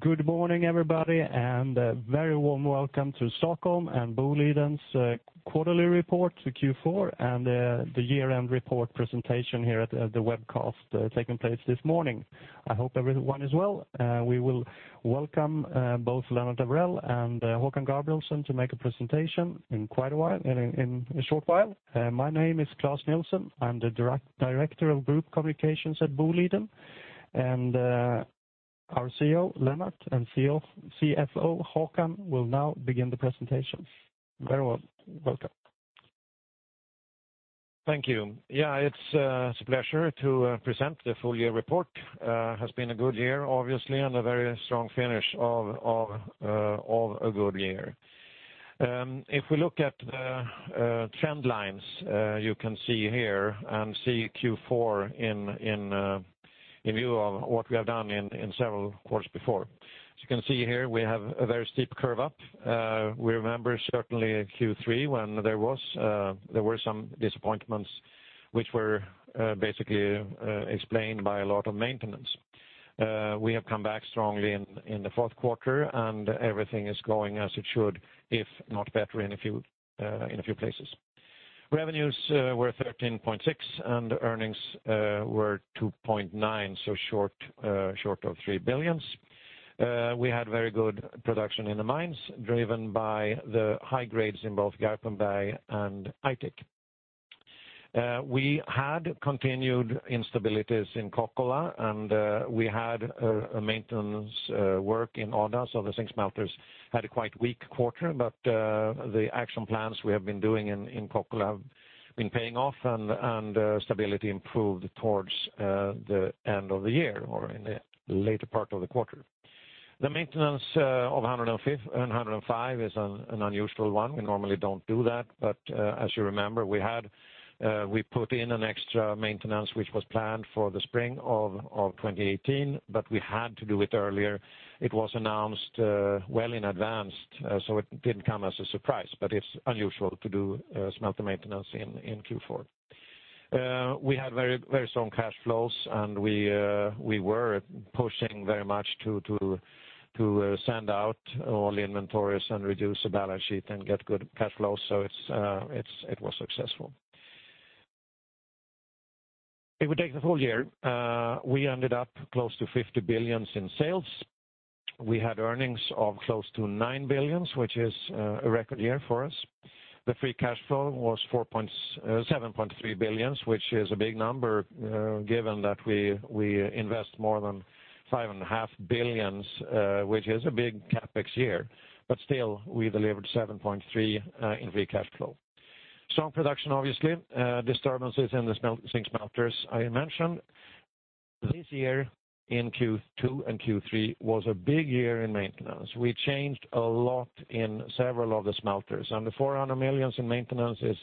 Good morning, everybody, a very warm welcome to Stockholm and Boliden's quarterly report to Q4, and the year-end report presentation here at the webcast taking place this morning. I hope everyone is well. We will welcome both Lennart Evrell and Håkan Gabrielsson to make a presentation in a short while. My name is Klas Nilsson. I am the Director of Group Communications at Boliden, and our CEO, Lennart, and CFO, Håkan, will now begin the presentation. Very warm welcome. Thank you. Yeah, it is a pleasure to present the full year report. Has been a good year, obviously, a very strong finish of a good year. If we look at the trend lines, you can see here and see Q4 in view of what we have done in several quarters before. As you can see here, we have a very steep curve up. We remember certainly Q3 when there were some disappointments which were basically explained by a lot of maintenance. We have come back strongly in the fourth quarter, everything is going as it should, if not better in a few places. Revenues were 13.6 billion and earnings were 2.9 billion, so short of 3 billion. We had very good production in the mines driven by the high grades in both Garpenberg and Aitik. We had continued instabilities in Kokkola, we had a maintenance work in Örnsköldsvik, so the zinc smelters had a quite weak quarter, the action plans we have been doing in Kokkola have been paying off and stability improved towards the end of the year or in the later part of the quarter. The maintenance of Odda 5 is an unusual one. We normally don't do that, as you remember, we put in an extra maintenance, which was planned for the spring of 2018, we had to do it earlier. It was announced well in advance, it didn't come as a surprise, it is unusual to do smelter maintenance in Q4. We had very strong cash flows, we were pushing very much to send out all inventories and reduce the balance sheet and get good cash flow, it was successful. If we take the full year, we ended up close to 50 billion in sales. We had earnings of close to 9 billion, which is a record year for us. The free cash flow was 7.3 billion, which is a big number, given that we invest more than five and a half billions, which is a big CapEx year. Still, we delivered 7.3 billion in free cash flow. Strong production, obviously. Disturbances in the zinc smelters, I mentioned. This year in Q2 and Q3 was a big year in maintenance. We changed a lot in several of the smelters, the 400 million in maintenance is,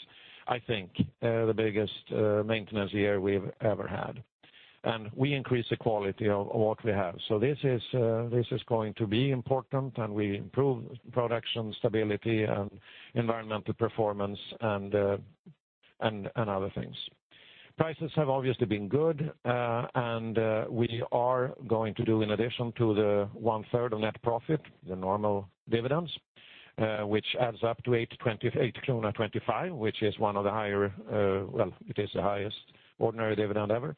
I think, the biggest maintenance year we have ever had. We increased the quality of what we have. This is going to be important, we improve production stability and environmental performance and other things. Prices have obviously been good. We are going to do in addition to the one third of net profit, the normal dividends, which adds up to 8.25, which is one of the higher, well, it is the highest ordinary dividend ever.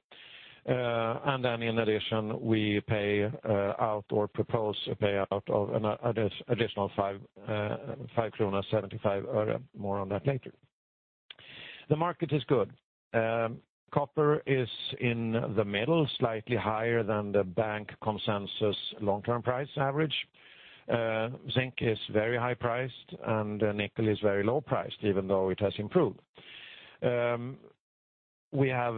Then in addition, we pay out or propose a payout of an additional 5.75 krona. More on that later. The market is good. Copper is in the middle, slightly higher than the bank consensus long-term price average. Zinc is very high priced, and nickel is very low priced, even though it has improved. We have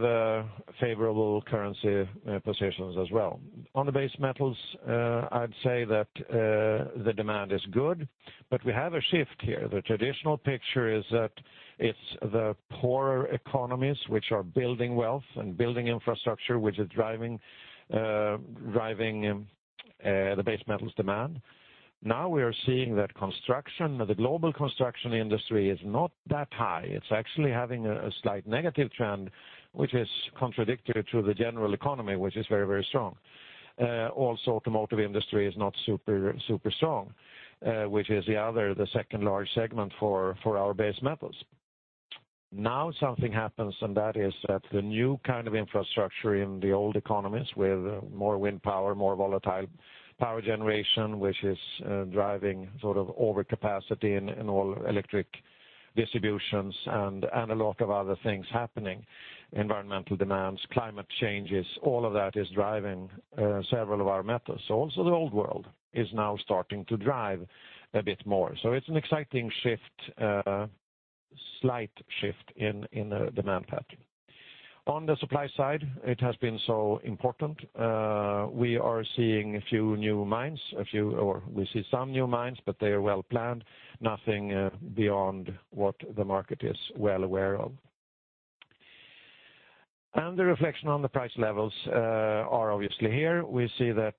favorable currency positions as well. On the base metals, I'd say that the demand is good. We have a shift here. The traditional picture is that it's the poorer economies which are building wealth and building infrastructure, which are driving the base metals demand. We are seeing that construction, the global construction industry is not that high. It's actually having a slight negative trend, which is contradictory to the general economy, which is very, very strong. Automotive industry is not super strong, which is the other, the second large segment for our base metals. Something happens, and that is that the new kind of infrastructure in the old economies with more wind power, more volatile power generation, which is driving sort of overcapacity in all electric distributions and a lot of other things happening, environmental demands, climate changes, all of that is driving several of our metals. Also the old world is now starting to drive a bit more. It's an exciting shift, slight shift in the demand pattern. On the supply side, it has been so important. We are seeing a few new mines. We see some new mines, but they are well planned, nothing beyond what the market is well aware of. The reflection on the price levels are obviously here. We see that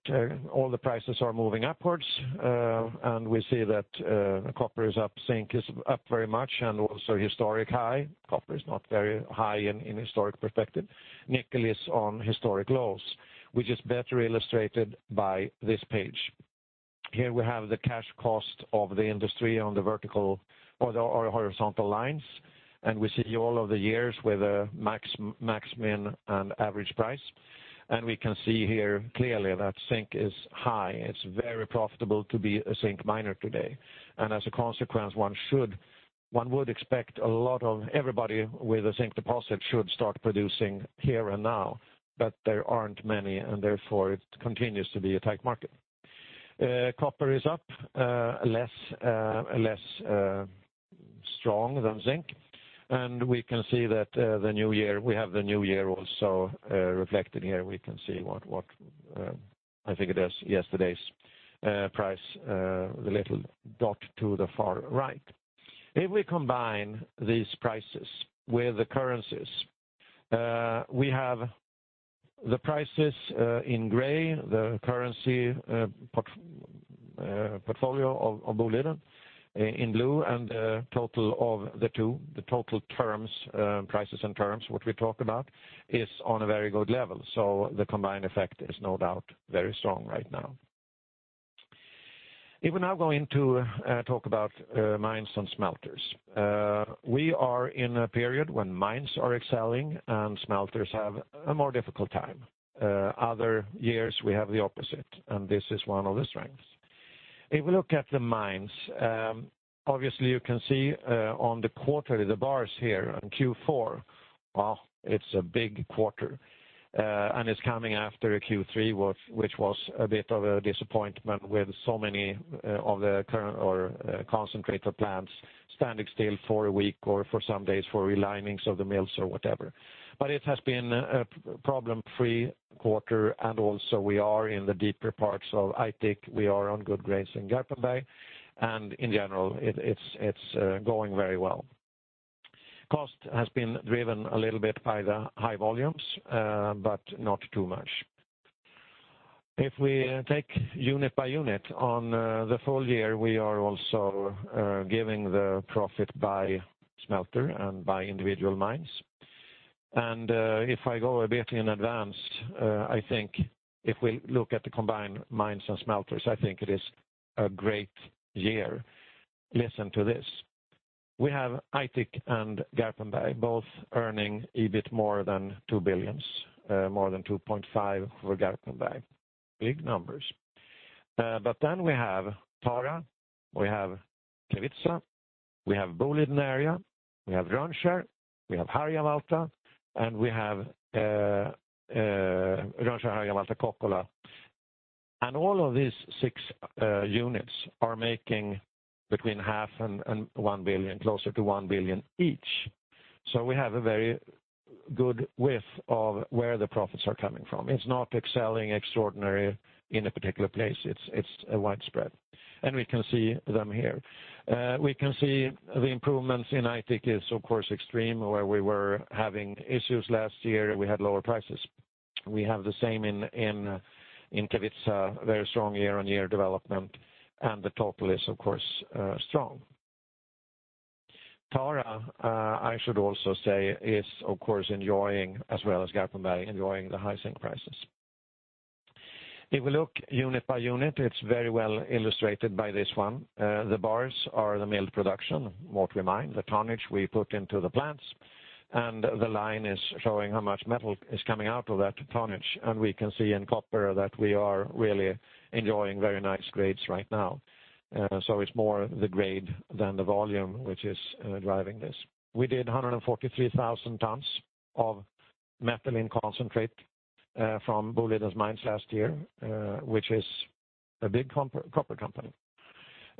all the prices are moving upwards. We see that copper is up, zinc is up very much. Also historic high. Copper is not very high in historic perspective. Nickel is on historic lows, which is better illustrated by this page. Here we have the cash cost of the industry on the vertical or the horizontal lines. We see all of the years with a max, min, and average price. We can see here clearly that zinc is high. It's very profitable to be a zinc miner today. As a consequence, one would expect everybody with a zinc deposit should start producing here and now. There aren't many, and therefore it continues to be a tight market. Copper is up, less strong than zinc. We can see that we have the new year also reflected here. We can see what, I think it is yesterday's price, the little dot to the far right. If we combine these prices with the currencies, we have the prices in gray, the currency portfolio of Boliden in blue, and the total of the two, the total prices in terms, what we talk about, is on a very good level. The combined effect is no doubt very strong right now. If we now go into talk about mines and smelters. We are in a period when mines are excelling and smelters have a more difficult time. Other years, we have the opposite, this is one of the strengths. If we look at the mines, obviously you can see on the quarterly, the bars here on Q4, it's a big quarter. It's coming after a Q3, which was a bit of a disappointment with so many of the concentrator plants standing still for a week or for some days for relinings of the mills or whatever. It has been a problem-free quarter, and also we are in the deeper parts of Aitik, we are on good grades in Garpenberg, and in general, it's going very well. Cost has been driven a little bit by the high volumes, but not too much. If we take unit by unit on the full year, we are also giving the profit by smelter and by individual mines. If I go a bit in advance, I think if we look at the combined mines and smelters, I think it is a great year. Listen to this. We have Aitik and Garpenberg both earning a bit more than 2 billion, more than 2.5 billion for Garpenberg. Big numbers. We have Tara, we have Kevitsa, we have Boliden Area, we have Rönnskär, we have Harjavalta, and we have Rönnskär-Harjavalta Kokkola. All of these six units are making between half and 1 billion, closer to 1 billion each. We have a very good width of where the profits are coming from. It's not excelling extraordinary in a particular place. It's widespread. We can see them here. We can see the improvements in Aitik is, of course, extreme, where we were having issues last year, we had lower prices. We have the same in Kevitsa, very strong year-on-year development, the total is, of course, strong. Tara, I should also say, is of course, as well as Garpenberg, enjoying the high zinc prices. If we look unit by unit, it's very well illustrated by this one. The bars are the milled production, what we mine, the tonnage we put into the plants, and the line is showing how much metal is coming out of that tonnage. We can see in copper that we are really enjoying very nice grades right now. It's more the grade than the volume, which is driving this. We did 143,000 tons of metal in concentrate from Boliden's mines last year, which is a big copper company.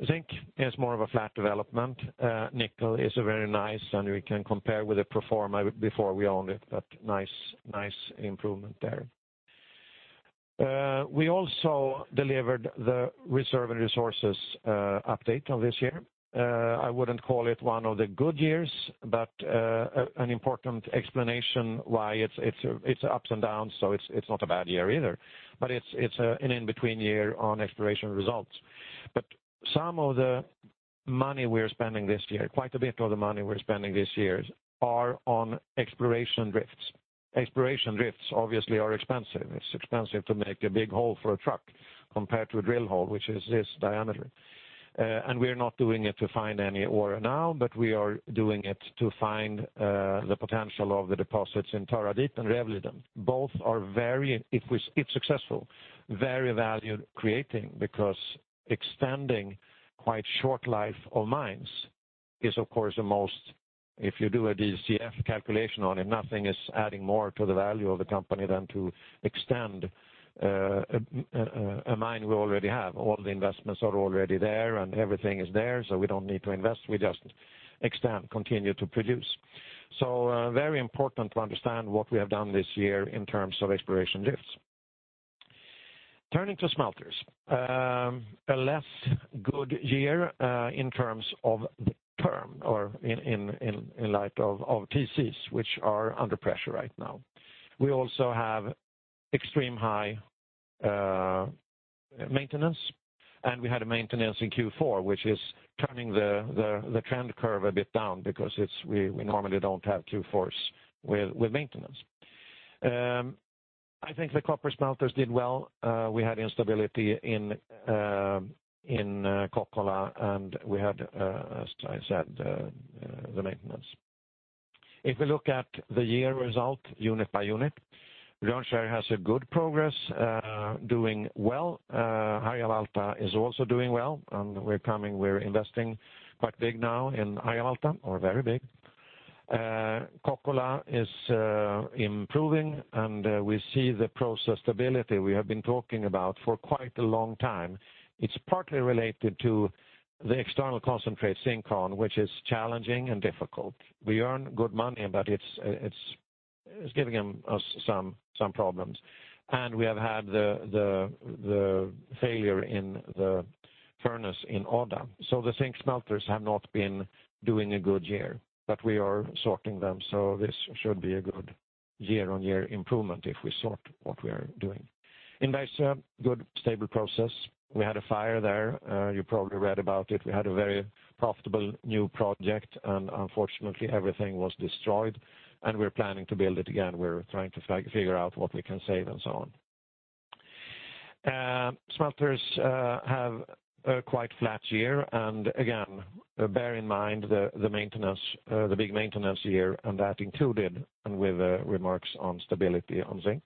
Zinc is more of a flat development. Nickel is very nice, and we can compare with the pro forma before we owned it, but nice improvement there. We also delivered the reserve and resources update of this year. I wouldn't call it one of the good years, an important explanation why it's ups and downs, so it's not a bad year either. It's an in-between year on exploration results. Some of the money we're spending this year, quite a bit of the money we're spending this year is on exploration drifts. Exploration drifts obviously are expensive. It's expensive to make a big hole for a truck compared to a drill hole, which is this diameter. We're not doing it to find any ore now, but we are doing it to find the potential of the deposits in Tara Deep and Rävliden. Both are very, if successful, very value creating because extending quite short life of mines is, of course, the most, if you do a DCF calculation on it, nothing is adding more to the value of the company than to extend a mine we already have. All the investments are already there and everything is there, so we don't need to invest. We just extend, continue to produce. Very important to understand what we have done this year in terms of exploration drifts. Turning to smelters. A less good year in terms of the term or in light of TCs, which are under pressure right now. We also have extreme high maintenance, and we had a maintenance in Q4, which is turning the trend curve a bit down because we normally don't have Q4s with maintenance. I think the copper smelters did well. We had instability in Kokkola, and we had, as I said, the maintenance. If we look at the year result unit by unit, Rönnskär has a good progress, doing well. Harjavalta is also doing well, and we're investing quite big now in Harjavalta, or very big. Kokkola is improving, and we see the process stability we have been talking about for quite a long time. It's partly related to the external concentrate zinc con, which is challenging and difficult. We earn good money, but it's giving us some problems. We have had the failure in the furnace in Odda. The zinc smelters have not been doing a good year, but we are sorting them, so this should be a good year-on-year improvement if we sort what we are doing. In Bergsöe, good stable process. We had a fire there. You probably read about it. We had a very profitable new project, and unfortunately, everything was destroyed, and we're planning to build it again. We're trying to figure out what we can save and so on. Smelters have a quite flat year, and again, bear in mind the big maintenance year and that included, and with remarks on stability on zinc.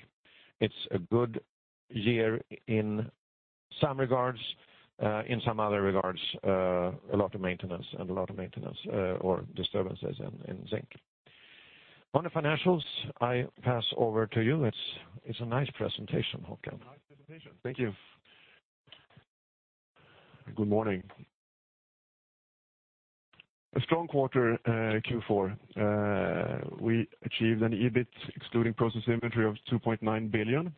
It's a good year in some regards. In some other regards, a lot of maintenance or disturbances in zinc. On the financials, I pass over to you. It's a nice presentation, Håkan. Nice presentation. Thank you. Good morning. A strong quarter, Q4. We achieved an EBIT excluding process inventory of 2.9 billion,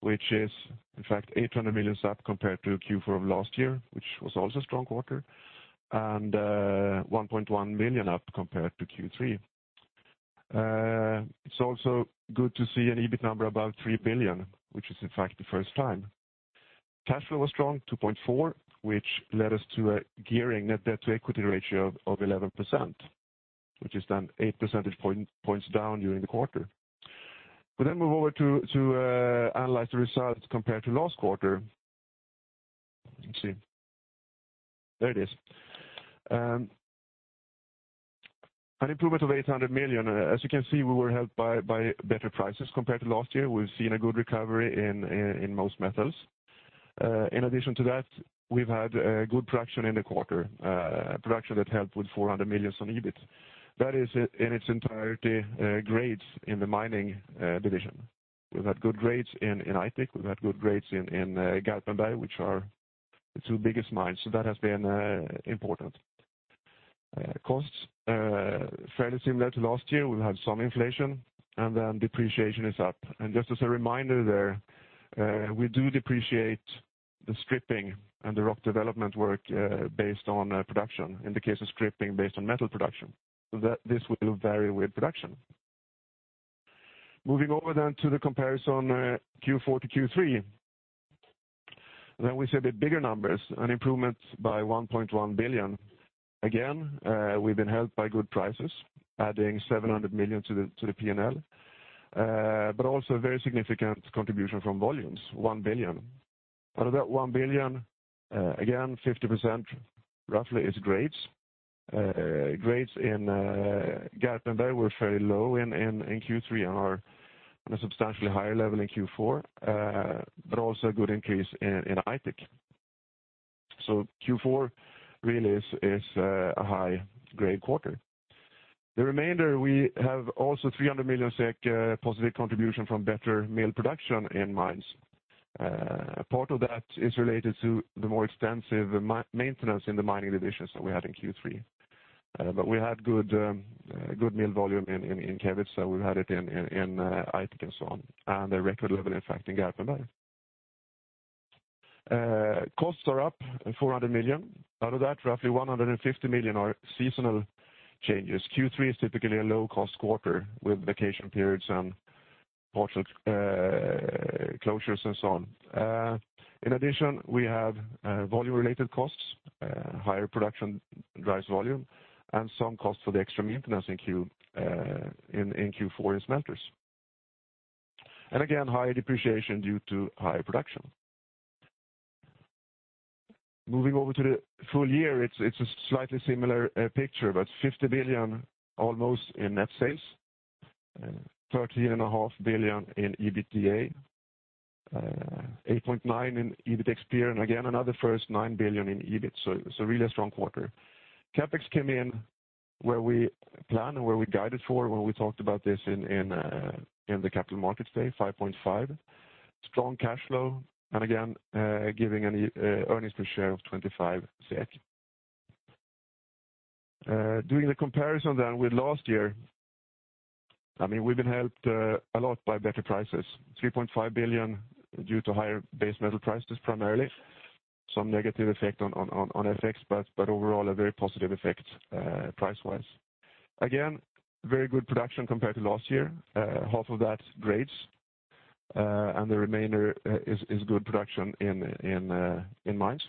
which is in fact 800 million up compared to Q4 of last year, which was also a strong quarter, and 1.1 billion up compared to Q3. It's also good to see an EBIT number above 3 billion, which is in fact the first time. Cash flow was strong, 2.4 billion, which led us to a gearing net debt to equity ratio of 11%, which is then 8 percentage points down during the quarter. Move over to analyze the results compared to last quarter. Let me see. There it is. An improvement of 800 million. As you can see, we were helped by better prices compared to last year. We've seen a good recovery in most metals. In addition to that, we've had good production in the quarter, production that helped with 400 million on EBIT. That is in its entirety grades in the mining division. We've had good grades in Aitik. We've had good grades in Garpenberg, which are the two biggest mines. That has been important. Costs, fairly similar to last year. We've had some inflation, depreciation is up. Just as a reminder there, we do depreciate the stripping and the rock development work based on production. In the case of stripping, based on metal production. This will vary with production. Moving over to the comparison Q4 to Q3. We see a bit bigger numbers, an improvement by 1.1 billion. Again, we've been helped by good prices, adding 700 million to the P&L, but also a very significant contribution from volumes, 1 billion. Out of that 1 billion, again, 50% roughly is grades. Grades in Garpenberg were fairly low in Q3 and are on a substantially higher level in Q4, but also a good increase in Aitik. Q4 really is a high-grade quarter. The remainder, we have also 300 million SEK positive contribution from better mill production in mines. Part of that is related to the more extensive maintenance in the mining division that we had in Q3. We had good mill volume in Kevitsa, we've had it in Aitik and so on, and a record level, in fact, in Garpenberg. Costs are up 400 million. Out of that, roughly 150 million are seasonal changes. Q3 is typically a low-cost quarter with vacation periods and partial closures and so on. We have volume-related costs. Higher production drives volume, some costs for the extra maintenance in Q4 in smelters. Again, higher depreciation due to higher production. Moving over to the full year, it's a slightly similar picture, 50 billion almost in net sales, 30.5 billion in EBITDA, 8.9 billion in EBITDA, again, another first 9 billion in EBIT. Really a strong quarter. CapEx came in where we planned and where we guided for when we talked about this in the Capital Markets Day, 5.5 billion. Strong cash flow, again, giving an earnings per share of 25 SEK. Doing the comparison with last year, we've been helped a lot by better prices. 3.5 billion due to higher base metal prices primarily. Some negative effect on FX, overall, a very positive effect price-wise. Very good production compared to last year. Half of that's grades, the remainder is good production in mines.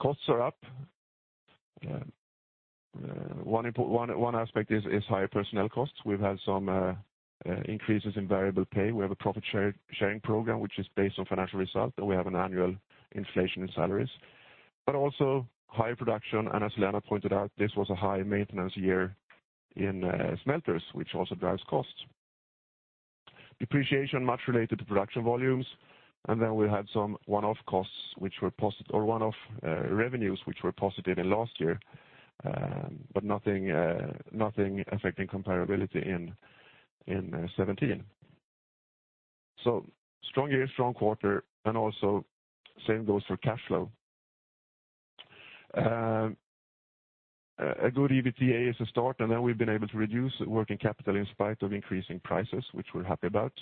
Costs are up. One aspect is higher personnel costs. We've had some increases in variable pay. We have a profit sharing program, which is based on financial results, we have an annual inflation in salaries, but also higher production. As Lennart pointed out, this was a high maintenance year in smelters, which also drives costs. Depreciation much related to production volumes. Then we had some one-off costs or one-off revenues, which were positive in last year, but nothing affecting comparability in 2017. Strong year, strong quarter, also same goes for cash flow. A good EBITDA is a start, then we've been able to reduce working capital in spite of increasing prices, which we're happy about.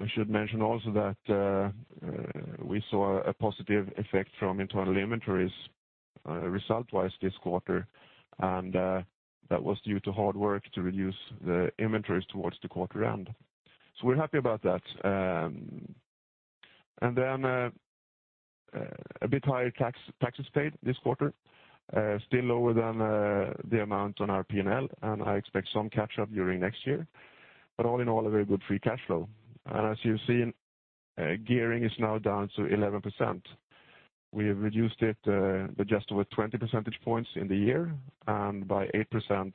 I should mention also that we saw a positive effect from internal inventories result-wise this quarter, that was due to hard work to reduce the inventories towards the quarter-end. We're happy about that. A bit higher taxes paid this quarter. Still lower than the amount on our P&L, I expect some catch-up during next year, all in all, a very good free cash flow. As you've seen, gearing is now down to 11%. We have reduced it by just over 20 percentage points in the year and by 8%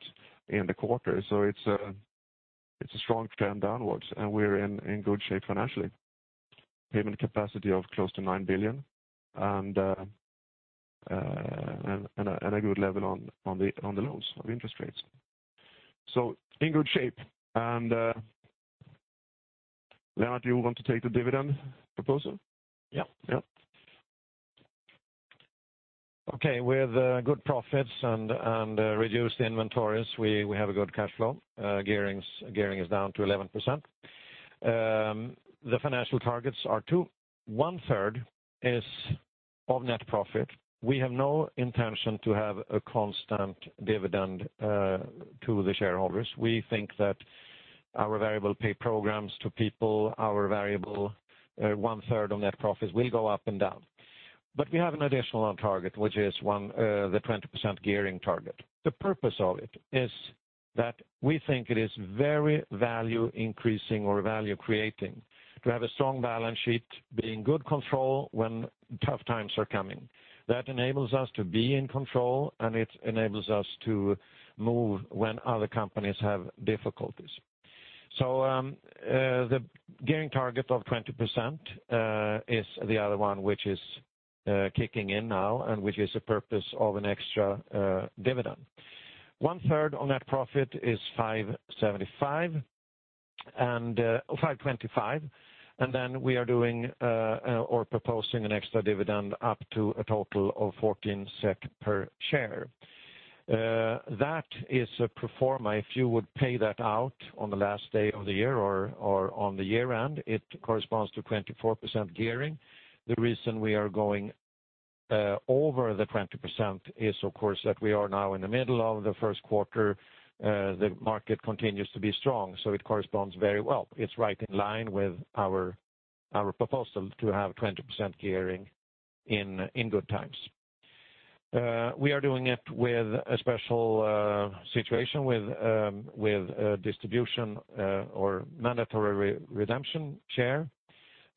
in the quarter. It's a strong trend downwards, and we're in good shape financially. Payment capacity of close to 9 billion and a good level on the loans of interest rates. In good shape. Lennart, you want to take the dividend proposal? Yeah. Yeah. Okay. With good profits and reduced inventories, we have a good cash flow. Gearing is down to 11%. The financial targets are two. One-third is of net profit. We have no intention to have a constant dividend to the shareholders. We think that our variable pay programs to people, our variable one-third on net profits will go up and down. We have an additional target, which is the 20% gearing target. The purpose of it is that we think it is very value increasing or value creating to have a strong balance sheet, be in good control when tough times are coming. That enables us to be in control, and it enables us to move when other companies have difficulties. The gearing target of 20% is the other one, which is kicking in now and which is the purpose of an extra dividend. One-third on net profit is 525, we are doing, or proposing an extra dividend up to a total of 14 SEK per share. That is a pro forma. If you would pay that out on the last day of the year or on the year-end, it corresponds to 24% gearing. The reason we are going over the 20% is, of course, that we are now in the middle of the first quarter, the market continues to be strong, it corresponds very well. It's right in line with our proposal to have 20% gearing in good times. We are doing it with a special situation with distribution or mandatory redemption share.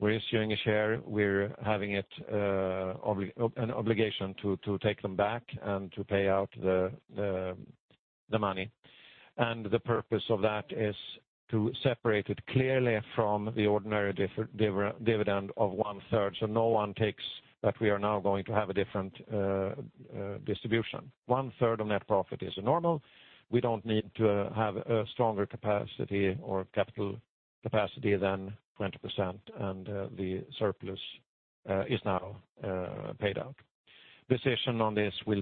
We're issuing a share. We're having an obligation to take them back and to pay out the money. The purpose of that is to separate it clearly from the ordinary dividend of one-third, no one takes that we are now going to have a different distribution. One-third of net profit is normal. We don't need to have a stronger capacity or capital capacity than 20%, the surplus is now paid out. Decision on this will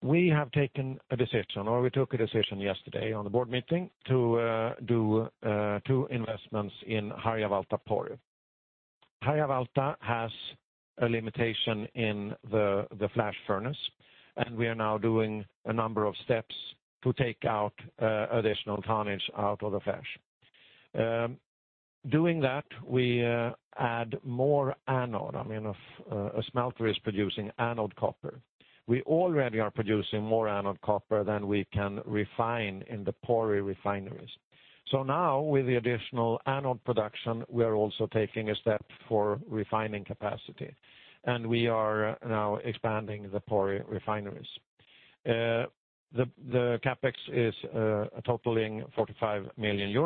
be on the AGM, obviously. We have taken a decision, or we took a decision yesterday on the board meeting to do two investments in Harjavalta, Pori. Harjavalta has a limitation in the flash furnace, we are now doing a number of steps to take out additional tonnage out of the flash. Doing that, we add more anode. A smelter is producing anode copper. We already are producing more anode copper than we can refine in the Pori refineries. Now with the additional anode production, we are also taking a step for refining capacity. We are now expanding the Pori refineries. The CapEx is totaling €45 million.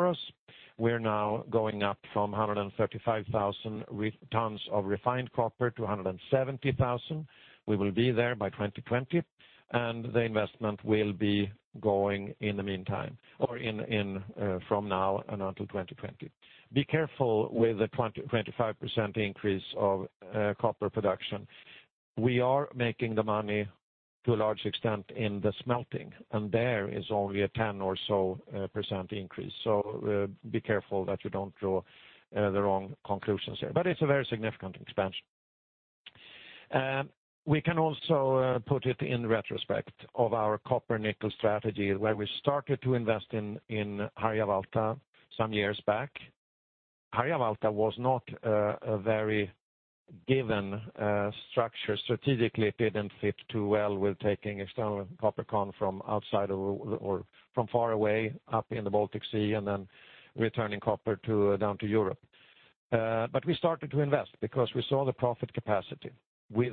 We're now going up from 135,000 tons of refined copper to 170,000. We will be there by 2020, and the investment will be going in the meantime, or from now and until 2020. Be careful with the 25% increase of copper production. We are making the money to a large extent in the smelting, and there is only a 10% or so increase. Be careful that you don't draw the wrong conclusions there. It's a very significant expansion. We can also put it in retrospect of our copper nickel strategy where we started to invest in Harjavalta some years back. Harjavalta was not a very given structure. Strategically, it didn't fit too well with taking external copper con from outside or from far away up in the Baltic Sea and then returning copper down to Europe. We started to invest because we saw the profit capacity. We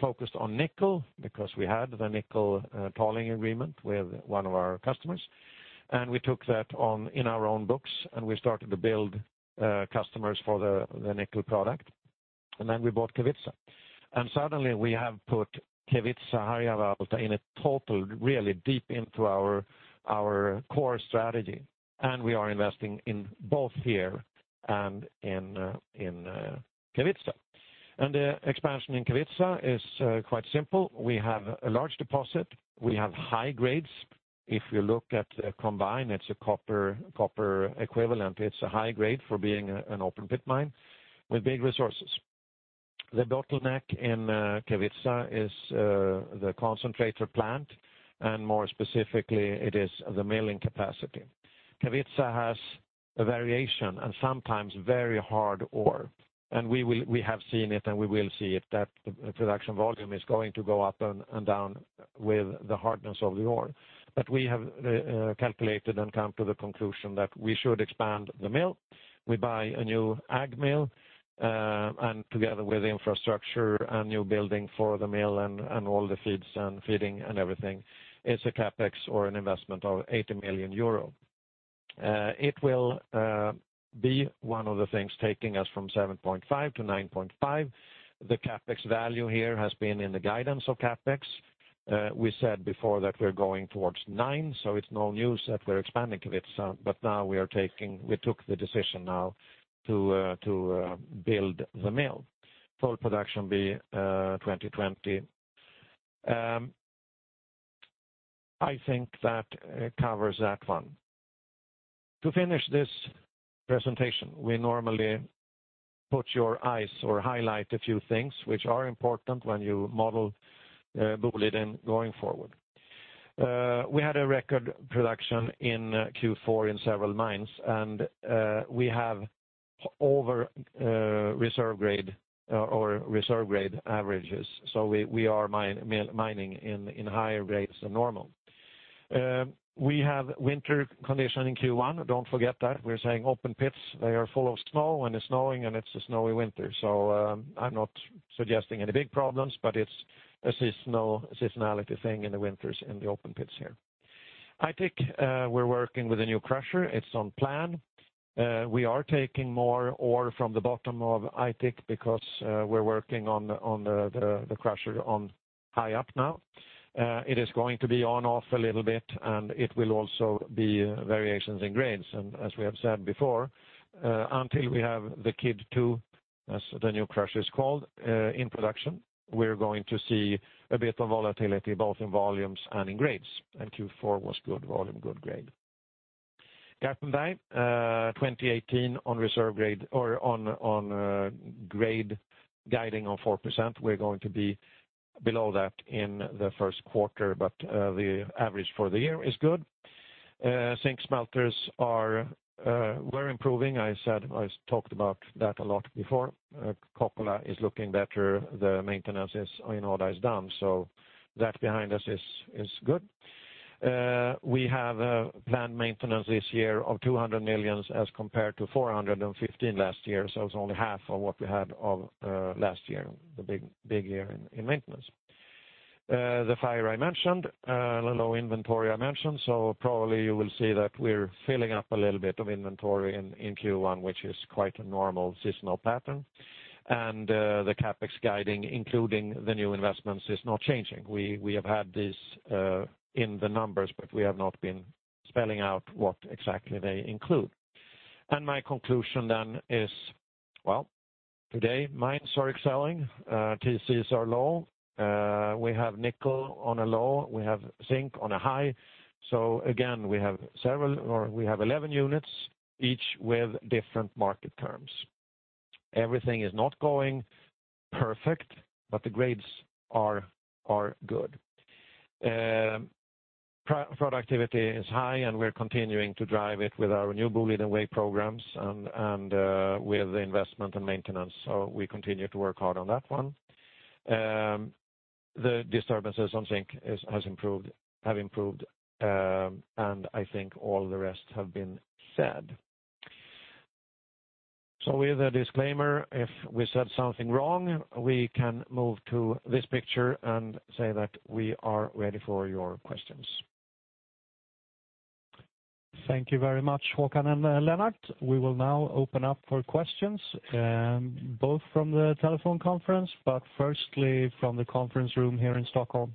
focused on nickel because we had the nickel tolling agreement with one of our customers. We took that on in our own books, and we started to build customers for the nickel product. Then we bought Kevitsa. Suddenly we have put Kevitsa, Harjavalta in a total, really deep into our core strategy. We are investing in both here and in Kevitsa. The expansion in Kevitsa is quite simple. We have a large deposit. We have high grades. If you look at combined, it's a copper equivalent. It's a high grade for being an open pit mine with big resources. The bottleneck in Kevitsa is the concentrator plant. More specifically, it is the milling capacity. Kevitsa has a variation and sometimes very hard ore. We have seen it and we will see it that the production volume is going to go up and down with the hardness of the ore. We have calculated and come to the conclusion that we should expand the mill. We buy a new AG mill, and together with infrastructure and new building for the mill and all the feeds and feeding and everything, it's a CapEx or an investment of €80 million. It will be one of the things taking us from 7.5 to 9.5. The CapEx value here has been in the guidance of CapEx. We said before that we're going towards nine. It's no news that we're expanding Kevitsa, but now we took the decision now to build the mill. Full production be 2020. I think that covers that one. To finish this presentation, we normally put your eyes or highlight a few things which are important when you model Boliden going forward. We had a record production in Q4 in several mines, and we have over reserve grade or reserve grade averages. We are mining in higher grades than normal. We have winter condition in Q1, don't forget that. We're saying open pits, they are full of snow when it's snowing, and it's a snowy winter. I'm not suggesting any big problems, but it's a seasonality thing in the winters in the open pits here. Aitik, we're working with a new crusher. It's on plan. We are taking more ore from the bottom of Aitik because we're working on the crusher on high up now. It is going to be on off a little bit, and it will also be variations in grades. As we have said before, until we have the KiD2, as the new crusher is called, in production, we're going to see a bit of volatility both in volumes and in grades. Q4 was good volume, good grade. Garpenberg 2018 on reserve grade or on grade guiding on 4%. We're going to be below that in the first quarter, but the average for the year is good. Zinc smelters were improving. I talked about that a lot before. Kokkola is looking better. The maintenance in Odda is done, so that behind us is good. We have a planned maintenance this year of 200 million as compared to 415 last year. It's only half of what we had of last year, the big year in maintenance. The fire I mentioned, low inventory I mentioned. Probably you will see that we're filling up a little bit of inventory in Q1, which is quite a normal seasonal pattern. The CapEx guiding, including the new investments, is not changing. We have had this in the numbers, but we have not been spelling out what exactly they include. My conclusion then is, well, today mines are excelling. TCs are low. We have nickel on a low. We have zinc on a high. Again, we have 11 units, each with different market terms. Everything is not going perfect, but the grades are good. Productivity is high, and we're continuing to drive it with our new Boliden Way programs and with the investment and maintenance. We continue to work hard on that one. The disturbances on zinc have improved, and I think all the rest have been said. With a disclaimer, if we said something wrong, we can move to this picture and say that we are ready for your questions. Thank you very much, Håkan and Lennart. We will now open up for questions, both from the telephone conference, but firstly from the conference room here in Stockholm.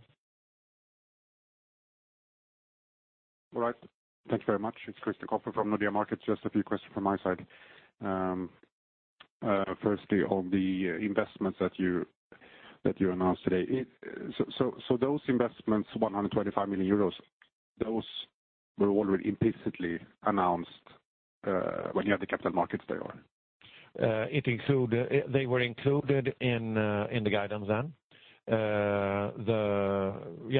All right. Thank you very much. It is Krister Koppar from Nordea Markets. Just a few questions from my side. Firstly, on the investments that you announced today. Those investments, €125 million, those Were already implicitly announced when you have the Capital Markets Day are They were included in the guidance then.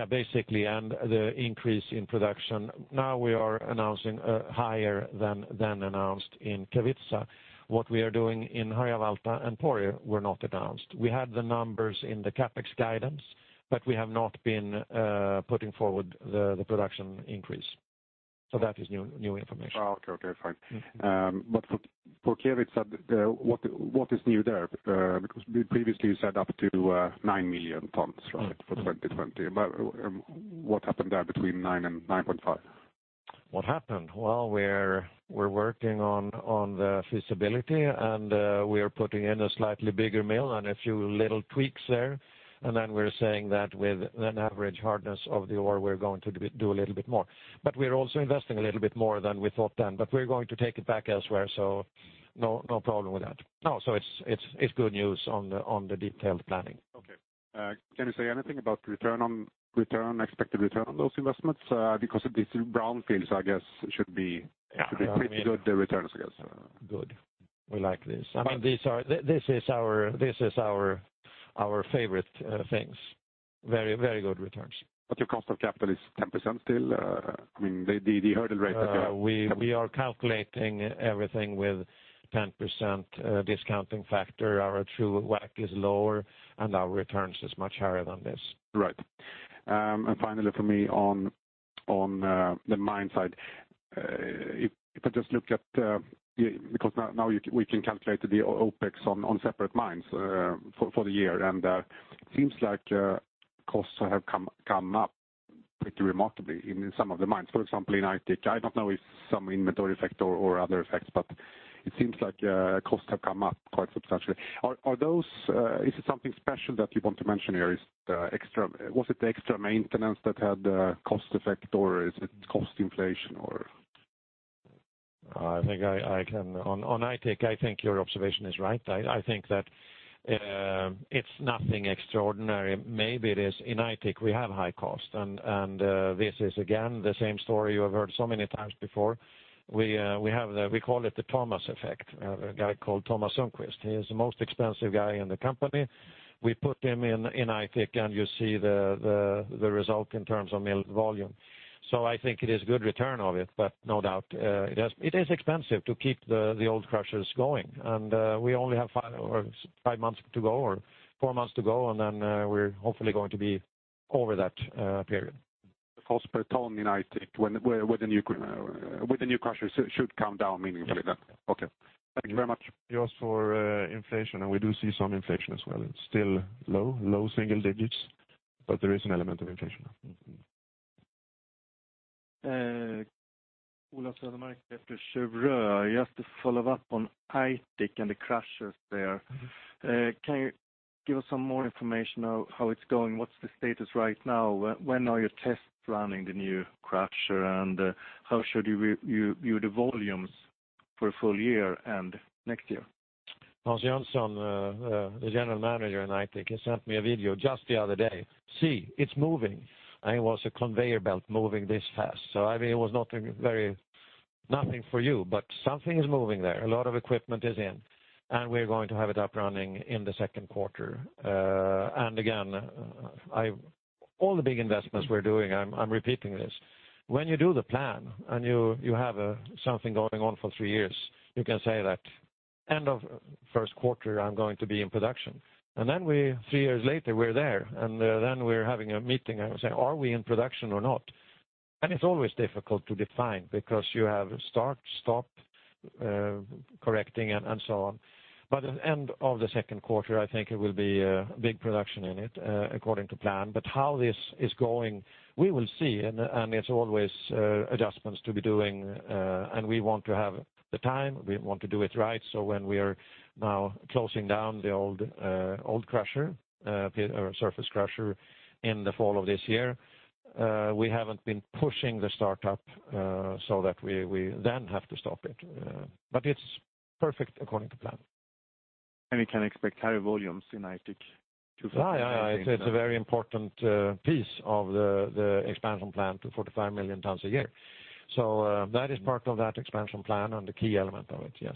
Basically, and the increase in production. We are announcing higher than announced in Kevitsa. What we are doing in Harjavalta and Pori were not announced. We had the numbers in the CapEx guidance, but we have not been putting forward the production increase. That is new information. Okay, fine. For Kevitsa, what is new there? Previously you said up to 9 million tons, right? For 2020. What happened there between nine and 9.5? What happened? Well, we're working on the feasibility and we are putting in a slightly bigger mill and a few little tweaks there. We're saying that with an average hardness of the ore, we're going to do a little bit more. We're also investing a little bit more than we thought then, but we're going to take it back elsewhere, no problem with that. It's good news on the detailed planning. Okay. Can you say anything about expected return on those investments? These brownfields, I guess should be. Yeah. Pretty good returns, I guess. Good. We like this. These are our favorite things. Very good returns. Your cost of capital is 10% still? The hurdle rate that you We are calculating everything with 10% discounting factor. Our true WACC is lower, and our returns is much higher than this. Right. Finally from me on the mine side. If I just look at the, because now we can calculate the OpEx on separate mines for the year, and it seems like costs have come up pretty remarkably in some of the mines, for example, in Aitik. I don't know if some inventory effect or other effects, but it seems like costs have come up quite substantially. Is it something special that you want to mention here? Was it the extra maintenance that had the cost effect, or is it cost inflation? On Aitik, I think your observation is right. I think that it's nothing extraordinary. Maybe it is in Aitik we have high cost, and this is again, the same story you have heard so many times before. We call it the Thomas effect. A guy called Thomas Sundquist. He is the most expensive guy in the company. We put him in Aitik, and you see the result in terms of mill volume. I think it is good return of it, but no doubt, it is expensive to keep the old crushers going, and we only have five months to go, or four months to go, and then we're hopefully going to be over that period. Cost per ton in Aitik with the new crusher should come down meaningfully then? Yes. Okay. Thank you very much. Just for inflation. We do see some inflation as well. It's still low. Low single digits. There is an element of inflation now. Ola Södermark after Cheuvreux. Just to follow up on Aitik and the crushers there. Can you give us some more information on how it's going? What's the status right now? When are you test running the new crusher? How should you view the volumes for a full year and next year? Hans Jönsson, the General Manager in Aitik, he sent me a video just the other day. "See, it's moving." It was a conveyor belt moving this fast. It was nothing for you, but something is moving there. A lot of equipment is in, we're going to have it up running in the second quarter. Again, all the big investments we're doing, I'm repeating this. When you do the plan and you have something going on for three years, you can say that end of first quarter, I'm going to be in production. Then three years later, we're there, we're having a meeting and we say, "Are we in production or not?" It's always difficult to define because you have start, stop, correcting, and so on. At end of the second quarter, I think it will be a big production in it, according to plan. How this is going, we will see, it's always adjustments to be doing. We want to have the time, we want to do it right, so when we are now closing down the old crusher, surface crusher in the fall of this year, we haven't been pushing the startup, so that we then have to stop it. It's perfect according to plan. We can expect higher volumes in Aitik 2025- It's a very important piece of the expansion plan to 45 million tons a year. That is part of that expansion plan and the key element of it, yes.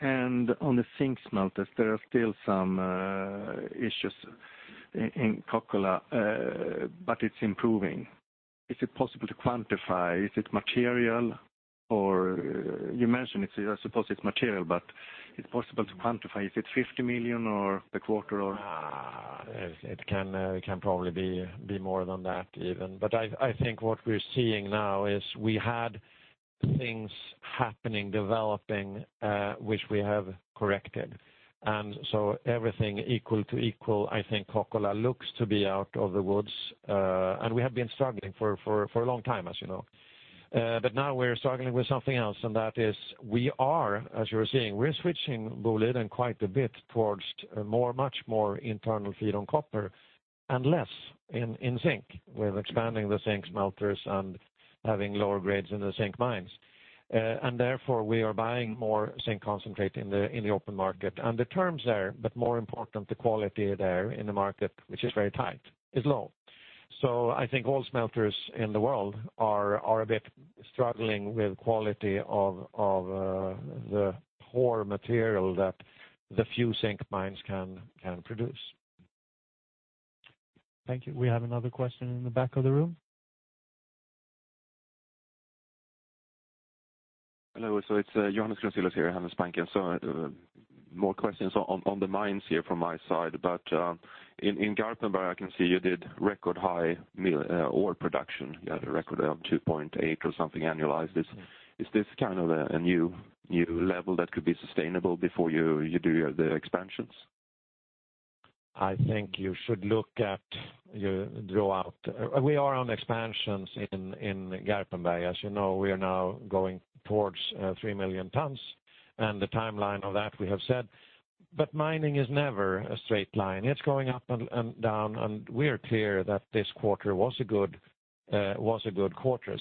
On the zinc smelters, there are still some issues in Kokkola, but it's improving. Is it possible to quantify? Is it material, or you mentioned it, so I suppose it's material, but it's possible to quantify. Is it 50 million or a quarter or? It can probably be more than that even. I think what we're seeing now is we had things happening, developing, which we have corrected. Everything equal to equal, I think Kokkola looks to be out of the woods. We have been struggling for a long time, as you know. Now we're struggling with something else, that is we are, as you are seeing, we're switching Boliden quite a bit towards much more internal feed on copper and less in zinc. We're expanding the zinc smelters and having lower grades in the zinc mines. Therefore, we are buying more zinc concentrate in the open market and the terms there, but more important, the quality there in the market, which is very tight, is low. I think all smelters in the world are a bit struggling with quality of the poor material that the few zinc mines can produce. Thank you. We have another question in the back of the room. Hello. Johannes here, Handelsbanken. More questions on the mines here from my side. In Garpenberg, I can see you did record high ore production. You had a record of 2.8 or something annualized. Is this kind of a new level that could be sustainable before you do the expansions? I think you should look at your draw out. We are on expansions in Garpenberg, as you know. We are now going towards 3 million tons and the timeline of that we have said. Mining is never a straight line. It's going up and down, and we are clear that this quarter was a good quarter.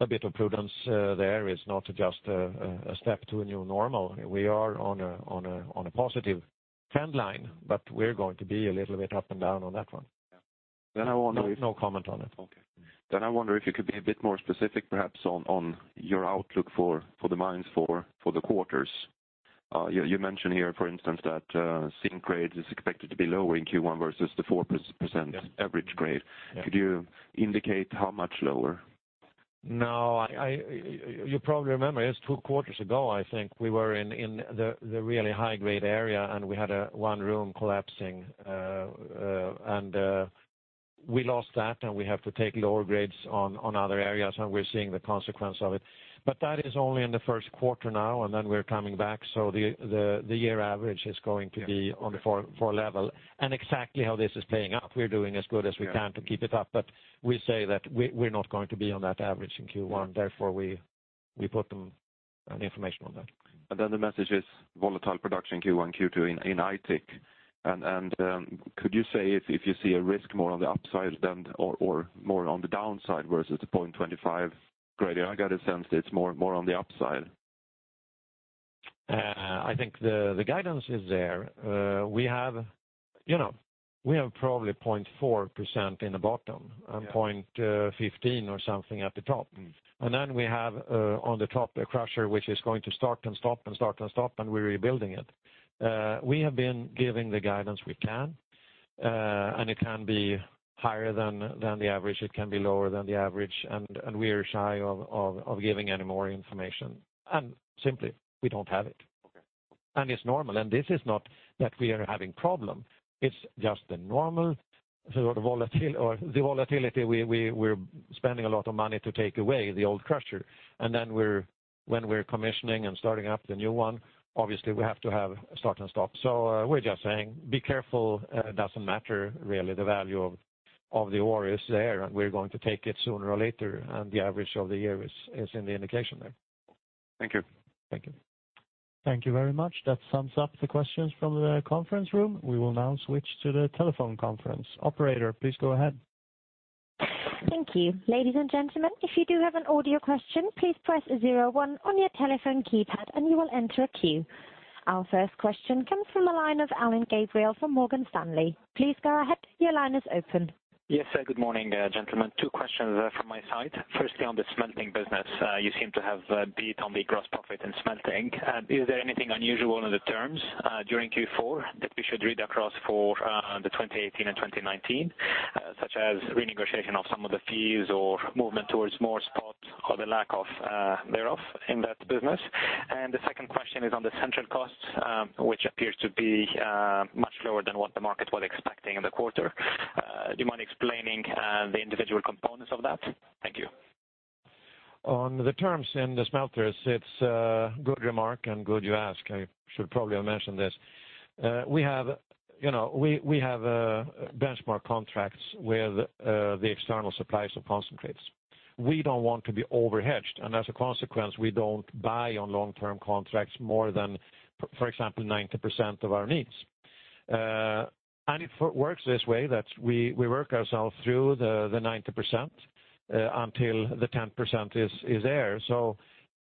A bit of prudence there is not just a step to a new normal. We are on a positive trend line, but we're going to be a little bit up and down on that one. Yeah. No comment on it. Okay. I wonder if you could be a bit more specific perhaps on your outlook for the mines for the quarters. You mention here, for instance, that zinc grade is expected to be lower in Q1 versus the 4% average grade. Yeah. Could you indicate how much lower? No. You probably remember it was two quarters ago, I think, we were in the really high-grade area and we had one room collapsing. We lost that, and we have to take lower grades on other areas, and we're seeing the consequence of it. That is only in the first quarter now, and then we're coming back. The year average is going to be. Yeah on the 4 level and exactly how this is playing out. We're doing as good as we can. Yeah to keep it up, but we say that we are not going to be on that average in Q1, therefore we put the information on that. The message is volatile production Q1, Q2 in Aitik. Could you say if you see a risk more on the upside than or more on the downside versus the 0.25 grade? I got a sense it is more on the upside. I think the guidance is there. We have probably 0.4% in the bottom. Yeah 0.15 or something at the top. We have on the top a crusher, which is going to start and stop and start and stop, and we're rebuilding it. We have been giving the guidance we can, and it can be higher than the average, it can be lower than the average, and we are shy of giving any more information. Simply, we don't have it. Okay. It's normal. This is not that we are having problem, it's just the normal sort of volatility we're spending a lot of money to take away the old crusher. When we're commissioning and starting up the new one, obviously we have to have start and stop. We're just saying be careful. It doesn't matter really. The value of the ore is there, and we're going to take it sooner or later, and the average of the year is in the indication there. Thank you. Thank you. Thank you very much. That sums up the questions from the conference room. We will now switch to the telephone conference. Operator, please go ahead. Thank you. Ladies and gentlemen, if you do have an audio question, please press 01 on your telephone keypad and you will enter a queue. Our first question comes from the line of Alain Gabriel from Morgan Stanley. Please go ahead. Your line is open. Yes. Good morning, gentlemen. Two questions from my side. Firstly, on the smelting business. You seem to have beat on the gross profit in smelting. Is there anything unusual in the terms during Q4 that we should read across for the 2018 and 2019, such as renegotiation of some of the fees or movement towards more spot or the lack of thereof in that business? The second question is on the central costs, which appears to be much lower than what the market was expecting in the quarter. Do you mind explaining the individual components of that? Thank you. On the terms in the smelters, it's a good remark and good you ask. I should probably have mentioned this. We have benchmark contracts with the external suppliers of concentrates. We don't want to be over-hedged, as a consequence, we don't buy on long-term contracts more than, for example, 90% of our needs. It works this way that we work ourselves through the 90% until the 10% is there.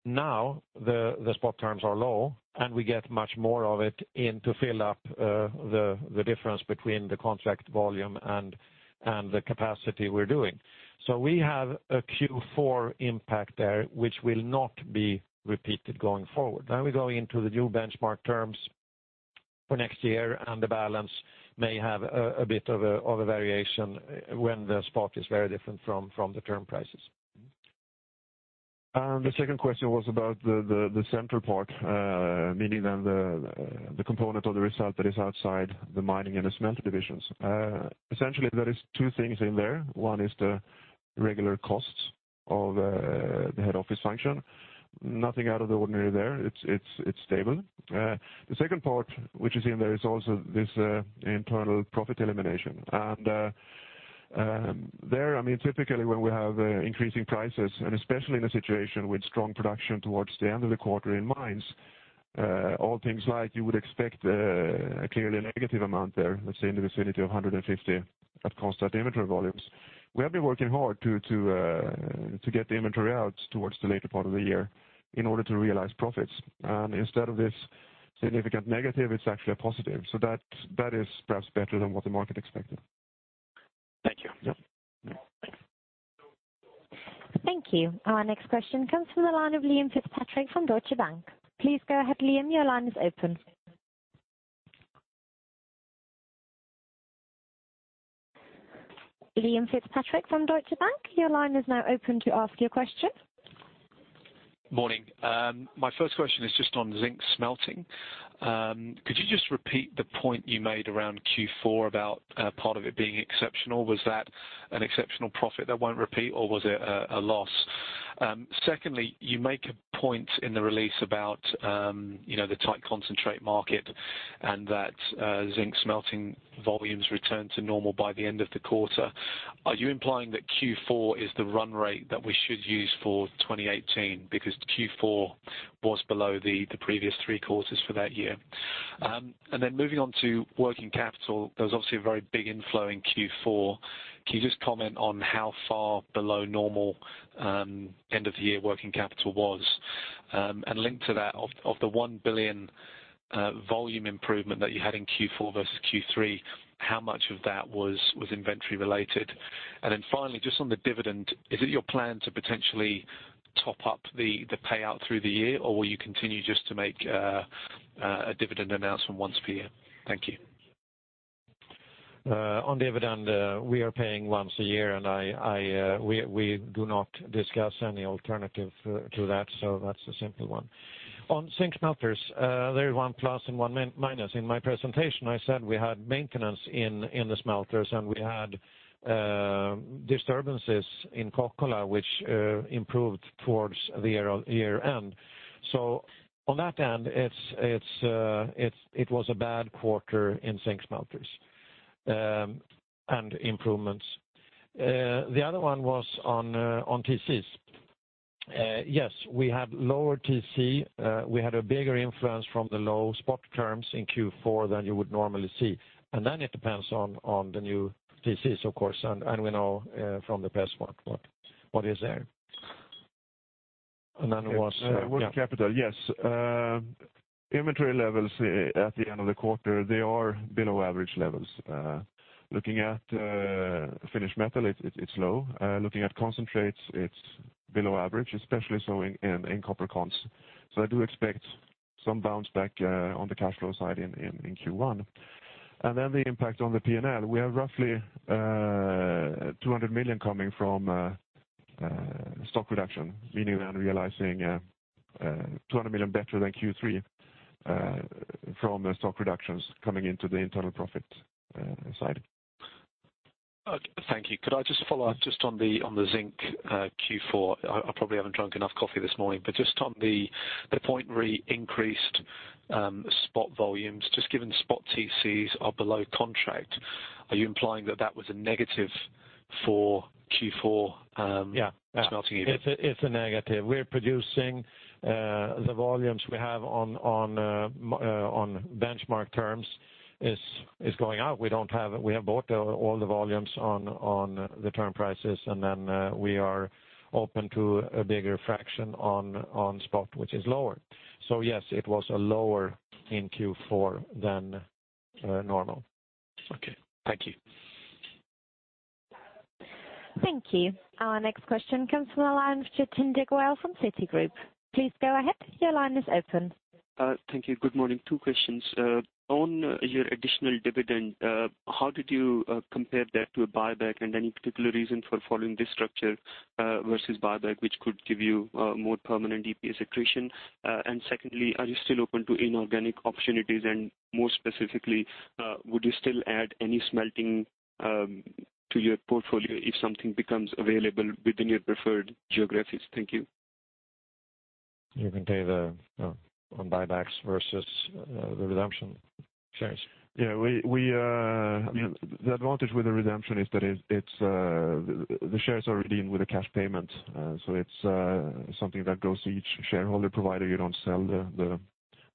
Now the spot terms are low, we get much more of it in to fill up the difference between the contract volume and the capacity we're doing. We have a Q4 impact there which will not be repeated going forward. Now we go into the new benchmark terms for next year, the balance may have a bit of a variation when the spot is very different from the term prices. The second question was about the central part, meaning then the component of the result that is outside the mining and the smelter divisions. Essentially, there is two things in there. One is the regular costs of the head office function. Nothing out of the ordinary there. It's stable. The second part which is in there is also this internal profit elimination. There, typically when we have increasing prices, and especially in a situation with strong production towards the end of the quarter in mines All things like you would expect a clearly negative amount there, let's say in the vicinity of 150 at constant inventory volumes. We have been working hard to get the inventory out towards the later part of the year in order to realize profits. Instead of this significant negative, it's actually a positive. That is perhaps better than what the market expected. Thank you. Yeah. Thanks. Thank you. Our next question comes from the line of Liam Fitzpatrick from Deutsche Bank. Please go ahead, Liam, your line is open. Liam Fitzpatrick from Deutsche Bank, your line is now open to ask your question. Morning. My first question is just on zinc smelting. Could you just repeat the point you made around Q4 about part of it being exceptional? Was that an exceptional profit that won't repeat, or was it a loss? Secondly, you make a point in the release about the tight concentrate market and that zinc smelting volumes return to normal by the end of the quarter. Are you implying that Q4 is the run rate that we should use for 2018 because Q4 was below the previous three quarters for that year? Moving on to working capital, there was obviously a very big inflow in Q4. Can you just comment on how far below normal end of the year working capital was? Linked to that, of the 1 billion volume improvement that you had in Q4 versus Q3, how much of that was inventory related? Finally, just on the dividend, is it your plan to potentially top up the payout through the year, or will you continue just to make a dividend announcement once per year? Thank you. On dividend, we are paying once a year and we do not discuss any alternative to that, so that's the simple one. On zinc smelters, there is one plus and one minus. In my presentation, I said we had maintenance in the smelters, and we had disturbances in Kokkola, which improved towards the year end. On that end, it was a bad quarter in zinc smelters and improvements. The other one was on TCs. Yes, we had lower TC. We had a bigger influence from the low spot terms in Q4 than you would normally see. It depends on the new TCs, of course, and we know from the past what is there. Working capital. Yes. Inventory levels at the end of the quarter, they are below average levels. Looking at finished metal, it's low. Looking at concentrates, it's below average, especially so in copper cons. I do expect some bounce back on the cash flow side in Q1. The impact on the P&L, we have roughly 200 million coming from stock reduction, meaning then realizing 200 million better than Q3 from stock reductions coming into the internal profit side. Thank you. Could I just follow up just on the zinc Q4? I probably haven't drunk enough coffee this morning, but just on the point re increased spot volumes, just given spot TCs are below contract, are you implying that that was a negative for Q4? Yeah smelting? It's a negative. We're producing the volumes we have on benchmark terms is going out. We have bought all the volumes on the term prices, and then we are open to a bigger fraction on spot, which is lower. Yes, it was lower in Q4 than normal. Okay. Thank you. Thank you. Our next question comes from the line of Jatinder Goyal from Citigroup. Please go ahead. Your line is open. Thank you. Good morning. Two questions. On your additional dividend, how did you compare that to a buyback and any particular reason for following this structure versus buyback, which could give you more permanent DPS accretion? Secondly, are you still open to inorganic opportunities? More specifically, would you still add any smelting to your portfolio if something becomes available within your preferred geographies? Thank you. You can take the on buybacks versus the redemption shares. Yeah. The advantage with the redemption is that the shares are redeemed with a cash payment. It's something that goes to each shareholder, provided you don't sell the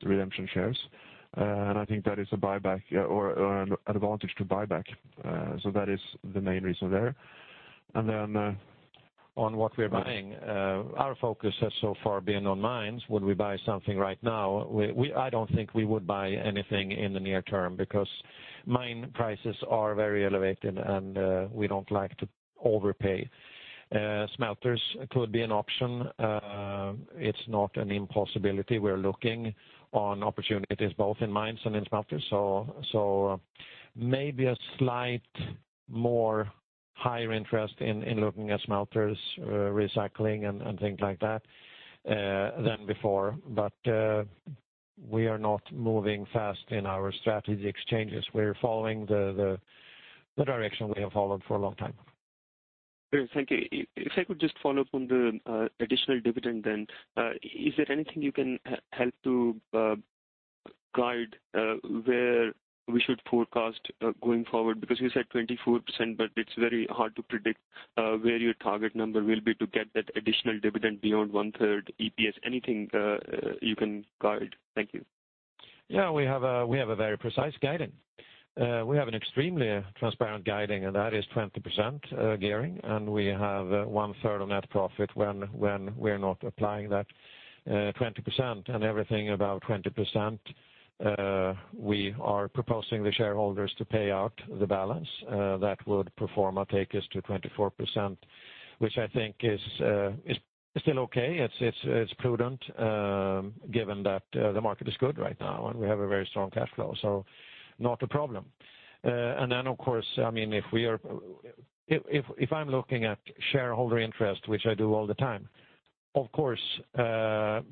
redemption shares. I think that is an advantage to buyback. That is the main reason there. On what we are buying. Our focus has so far been on mines. Would we buy something right now? I don't think we would buy anything in the near term because mine prices are very elevated, we don't like to overpay. Smelters could be an option. It's not an impossibility. We're looking on opportunities both in mines and in smelters. Maybe a slight more higher interest in looking at smelters, recycling, and things like that than before. We are not moving fast in our strategy exchanges. We're following the direction we have followed for a long time. Thank you. If I could just follow up on the additional dividend then. Is there anything you can help to guide where we should forecast going forward? You said 24%, but it's very hard to predict where your target number will be to get that additional dividend beyond one-third EPS. Anything you can guide? Thank you. Yeah, we have a very precise guiding. We have an extremely transparent guiding, that is 20% gearing. We have one-third on net profit when we're not applying that 20%. Everything above 20%, we are proposing the shareholders to pay out the balance. That would, pro forma, take us to 24%, which I think is still okay. It's prudent given that the market is good right now. We have a very strong cash flow, not a problem. Then, of course, if I'm looking at shareholder interest, which I do all the time, of course,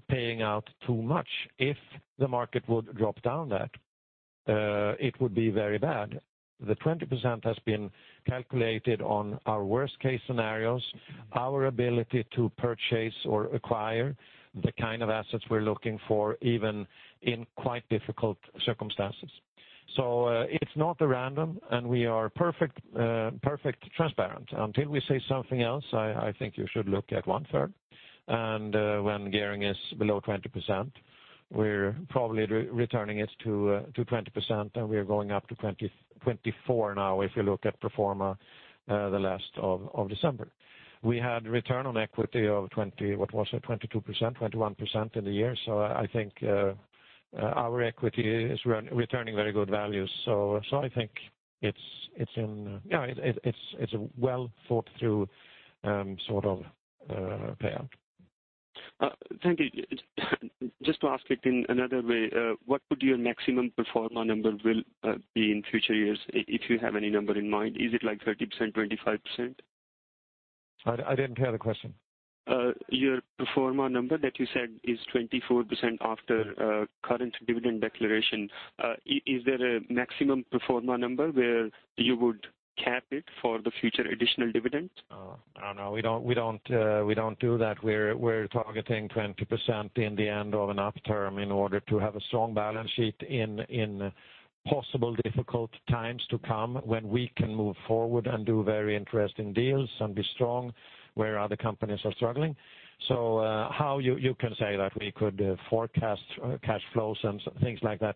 paying out too much, if the market would drop down that, it would be very bad. The 20% has been calculated on our worst-case scenarios, our ability to purchase or acquire the kind of assets we're looking for, even in quite difficult circumstances. It's not random. We are perfectly transparent. Until we say something else, I think you should look at one-third. When gearing is below 20%, we're probably returning it to 20%. We are going up to 24% now, if you look at pro forma, the last of December. We had return on equity of 20, what was it? 22%, 21% in the year. I think our equity is returning very good values. I think it's a well-thought-through sort of payout. Thank you. Just to ask it in another way, what could your maximum pro forma number will be in future years, if you have any number in mind? Is it like 30%, 25%? I didn't hear the question. Your pro forma number that you said is 24% after current dividend declaration. Is there a maximum pro forma number where you would cap it for the future additional dividend? No. We don't do that. We're targeting 20% in the end of an upturn in order to have a strong balance sheet in possible difficult times to come, when we can move forward and do very interesting deals and be strong where other companies are struggling. How you can say that we could forecast cash flows and things like that.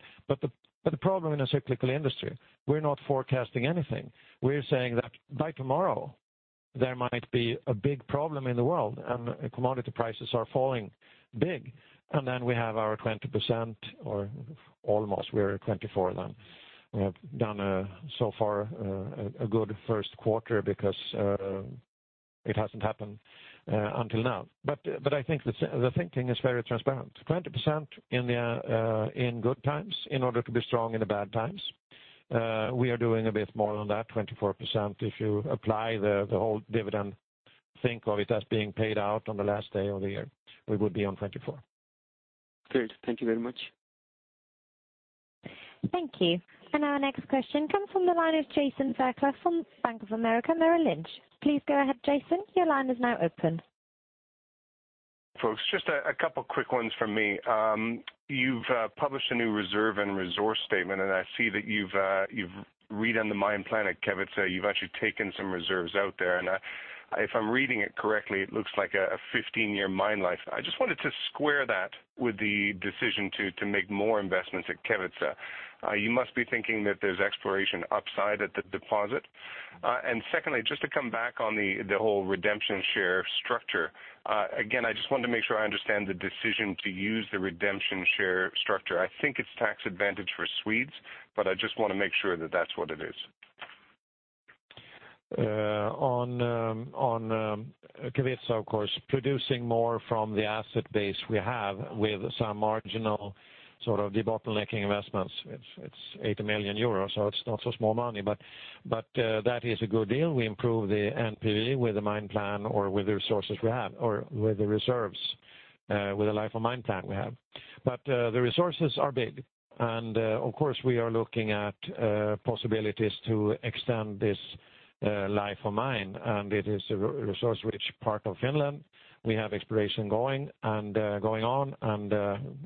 The problem in a cyclical industry, we're not forecasting anything. We're saying that by tomorrow there might be a big problem in the world, and commodity prices are falling big. We have our 20%, or almost, we're 24% then. We have done, so far, a good first quarter because it hasn't happened until now. I think the thinking is very transparent, 20% in good times in order to be strong in the bad times. We are doing a bit more than that, 24%, if you apply the whole dividend, think of it as being paid out on the last day of the year, we would be on 24%. Great. Thank you very much. Thank you. Our next question comes from the line of Jason Fairclough from Bank of America Merrill Lynch. Please go ahead, Jason. Your line is now open. Folks, just a couple quick ones from me. You've published a new reserve and resource statement, I see that you've redone the mine plan at Kevitsa. You've actually taken some reserves out there, if I'm reading it correctly, it looks like a 15-year mine life. I just wanted to square that with the decision to make more investments at Kevitsa. You must be thinking that there's exploration upside at the deposit. Secondly, just to come back on the whole redemption share structure. Again, I just wanted to make sure I understand the decision to use the redemption share structure. I think it's tax advantage for Swedes, I just want to make sure that that's what it is. On Kevitsa, of course, producing more from the asset base we have with some marginal sort of debottlenecking investments. It's 80 million euros, so it's not so small money. That is a good deal. We improve the NPV with the mine plan or with the resources we have, or with the reserves, with the life of mine plan we have. The resources are big, of course, we are looking at possibilities to extend this life of mine, it is a resource-rich part of Finland. We have exploration going on,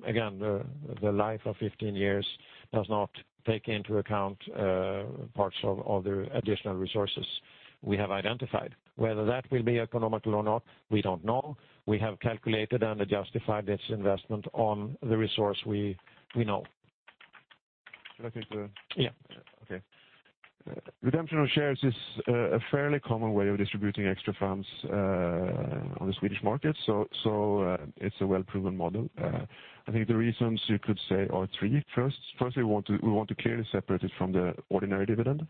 again, the life of 15 years does not take into account parts of the additional resources we have identified. Whether that will be economical or not, we don't know. We have calculated and justified this investment on the resource we know. Should I take the? Yeah. Okay. Redemption of shares is a fairly common way of distributing extra funds on the Swedish market, it's a well-proven model. I think the reasons you could say are three. First, we want to clearly separate it from the ordinary dividend.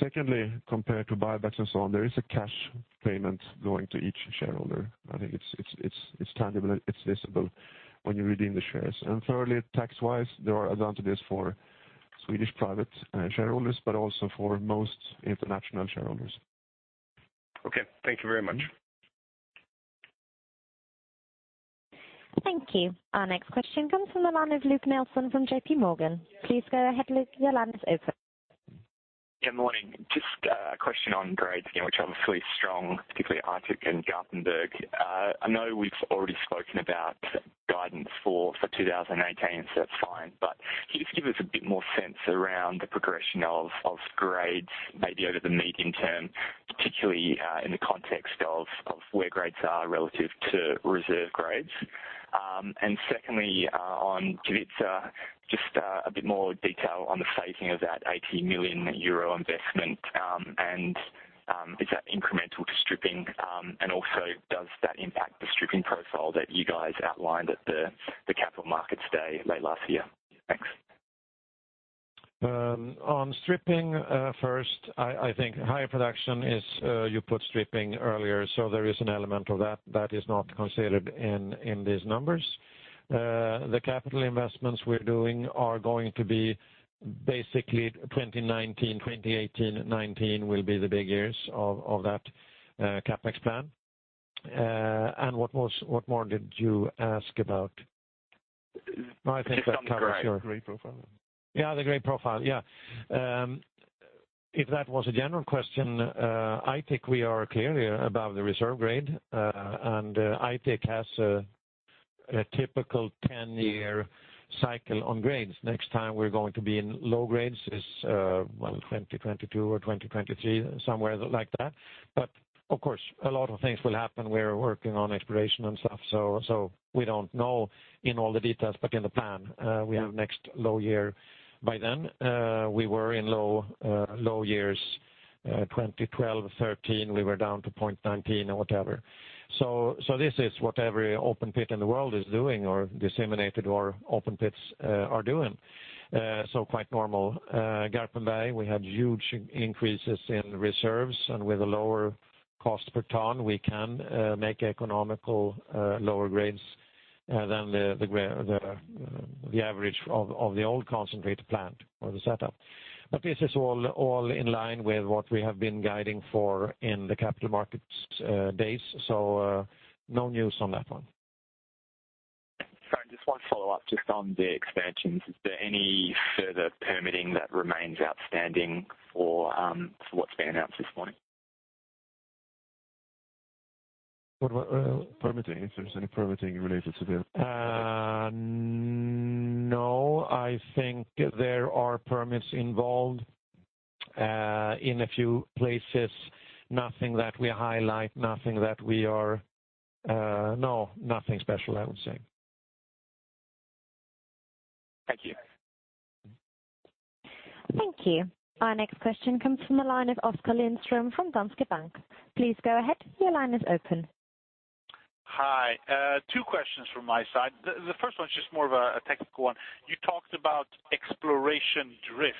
Secondly, compared to buybacks and so on, there is a cash payment going to each shareholder. I think it's tangible, and it's visible when you redeem the shares. Thirdly, tax-wise, there are advantages for Swedish private shareholders, but also for most international shareholders. Okay. Thank you very much. Thank you. Our next question comes from the line of Luke Nelson from JP Morgan. Please go ahead, Luke. Your line is open. Yeah, morning. Just a question on grades again, which are obviously strong, particularly Aitik and Garpenberg. I know we've already spoken about guidance for 2018, so that's fine. Can you just give us a bit more sense around the progression of grades maybe over the medium term, particularly in the context of where grades are relative to reserve grades? Secondly, on Kevitsa, just a bit more detail on the phasing of that 80 million euro investment. Is that incremental to stripping? Also does that impact the stripping profile that you guys outlined at the Capital Markets Day late last year? Thanks. On stripping, first, I think higher production is, you put stripping earlier, so there is an element of that is not considered in these numbers. The capital investments we're doing are going to be basically 2019. 2018-2019 will be the big years of that CapEx plan. What more did you ask about? No, I think that covers your- Just on the grade. Grade profile. Yeah, the grade profile. If that was a general question, Aitik we are clearly above the reserve grade. Aitik has a typical 10-year cycle on grades. Next time we're going to be in low grades is 2022 or 2023, somewhere like that. Of course, a lot of things will happen. We're working on exploration and stuff, so we don't know in all the details, but in the plan, we have next low year by then. We were in low years 2012-13, we were down to 0.19 or whatever. This is what every open pit in the world is doing or disseminated or open pits are doing. Quite normal. Garpenberg we had huge increases in reserves, and with a lower cost per ton, we can make economical lower grades than the average of the old concentrate plant or the setup. This is all in line with what we have been guiding for in the Capital Markets days. No news on that one. Sorry, just one follow-up just on the expansions. Is there any further permitting that remains outstanding for what's been announced this morning? What? Permitting. If there's any permitting related to the- I think there are permits involved in a few places. Nothing that we highlight. Nothing special, I would say. Thank you. Thank you. Our next question comes from the line of Oskar Lindström from Danske Bank. Please go ahead. Your line is open. Hi. Two questions from my side. The first one is just more of a technical one. You talked about exploration drift.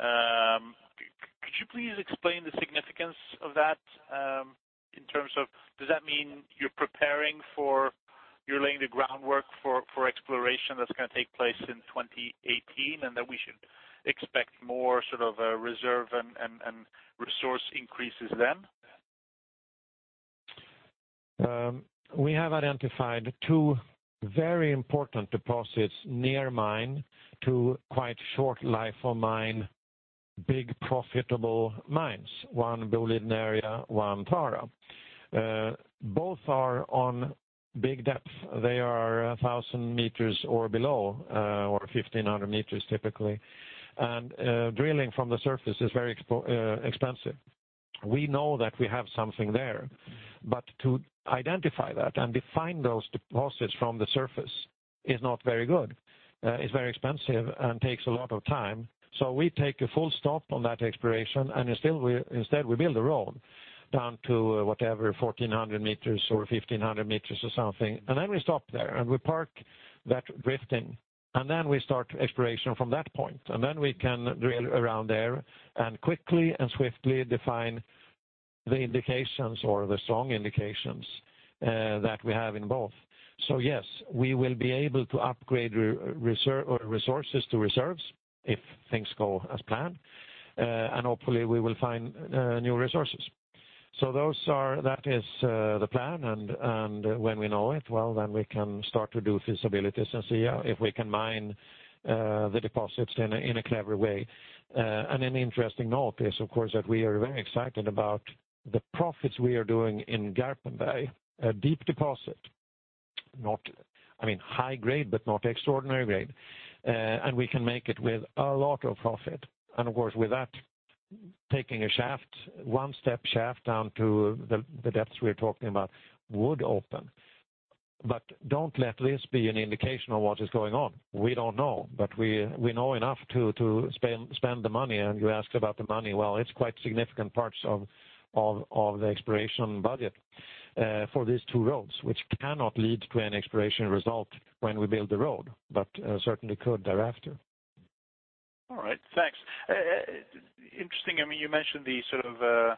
Could you please explain the significance of that in terms of does that mean you're laying the groundwork for exploration that's going to take place in 2018, that we should expect more sort of reserve and resource increases then? We have identified 2 very important deposits near mine to quite short life for mine, big profitable mines. One Boliden Area, one Tara. Both are on big depth. They are 1,000 meters or below or 1,500 meters typically. Drilling from the surface is very expensive. We know that we have something there, but to identify that and define those deposits from the surface is not very good. It is very expensive and takes a lot of time. We take a full stop on that exploration, and instead we build a road down to whatever, 1,400 meters or 1,500 meters or something, and then we stop there, and we park that drifting. We start exploration from that point. We can drill around there and quickly and swiftly define the indications or the strong indications that we have in both. Yes, we will be able to upgrade resources to reserves if things go as planned. Hopefully we will find new resources. That is the plan. When we know it, well, then we can start to do feasibilities and see if we can mine the deposits in a clever way. An interesting note is, of course, that we are very excited about the profits we are doing in Garpenberg, a deep deposit. I mean high grade, but not extraordinary grade. We can make it with a lot of profit. Of course, with that, taking a shaft, one-step shaft down to the depths we are talking about would open. Do not let this be an indication of what is going on. We do not know, but we know enough to spend the money. You ask about the money. Well, it is quite significant parts of the exploration budget for these two roads, which cannot lead to an exploration result when we build the road, but certainly could thereafter. All right. Thanks. Interesting. You mentioned the sort of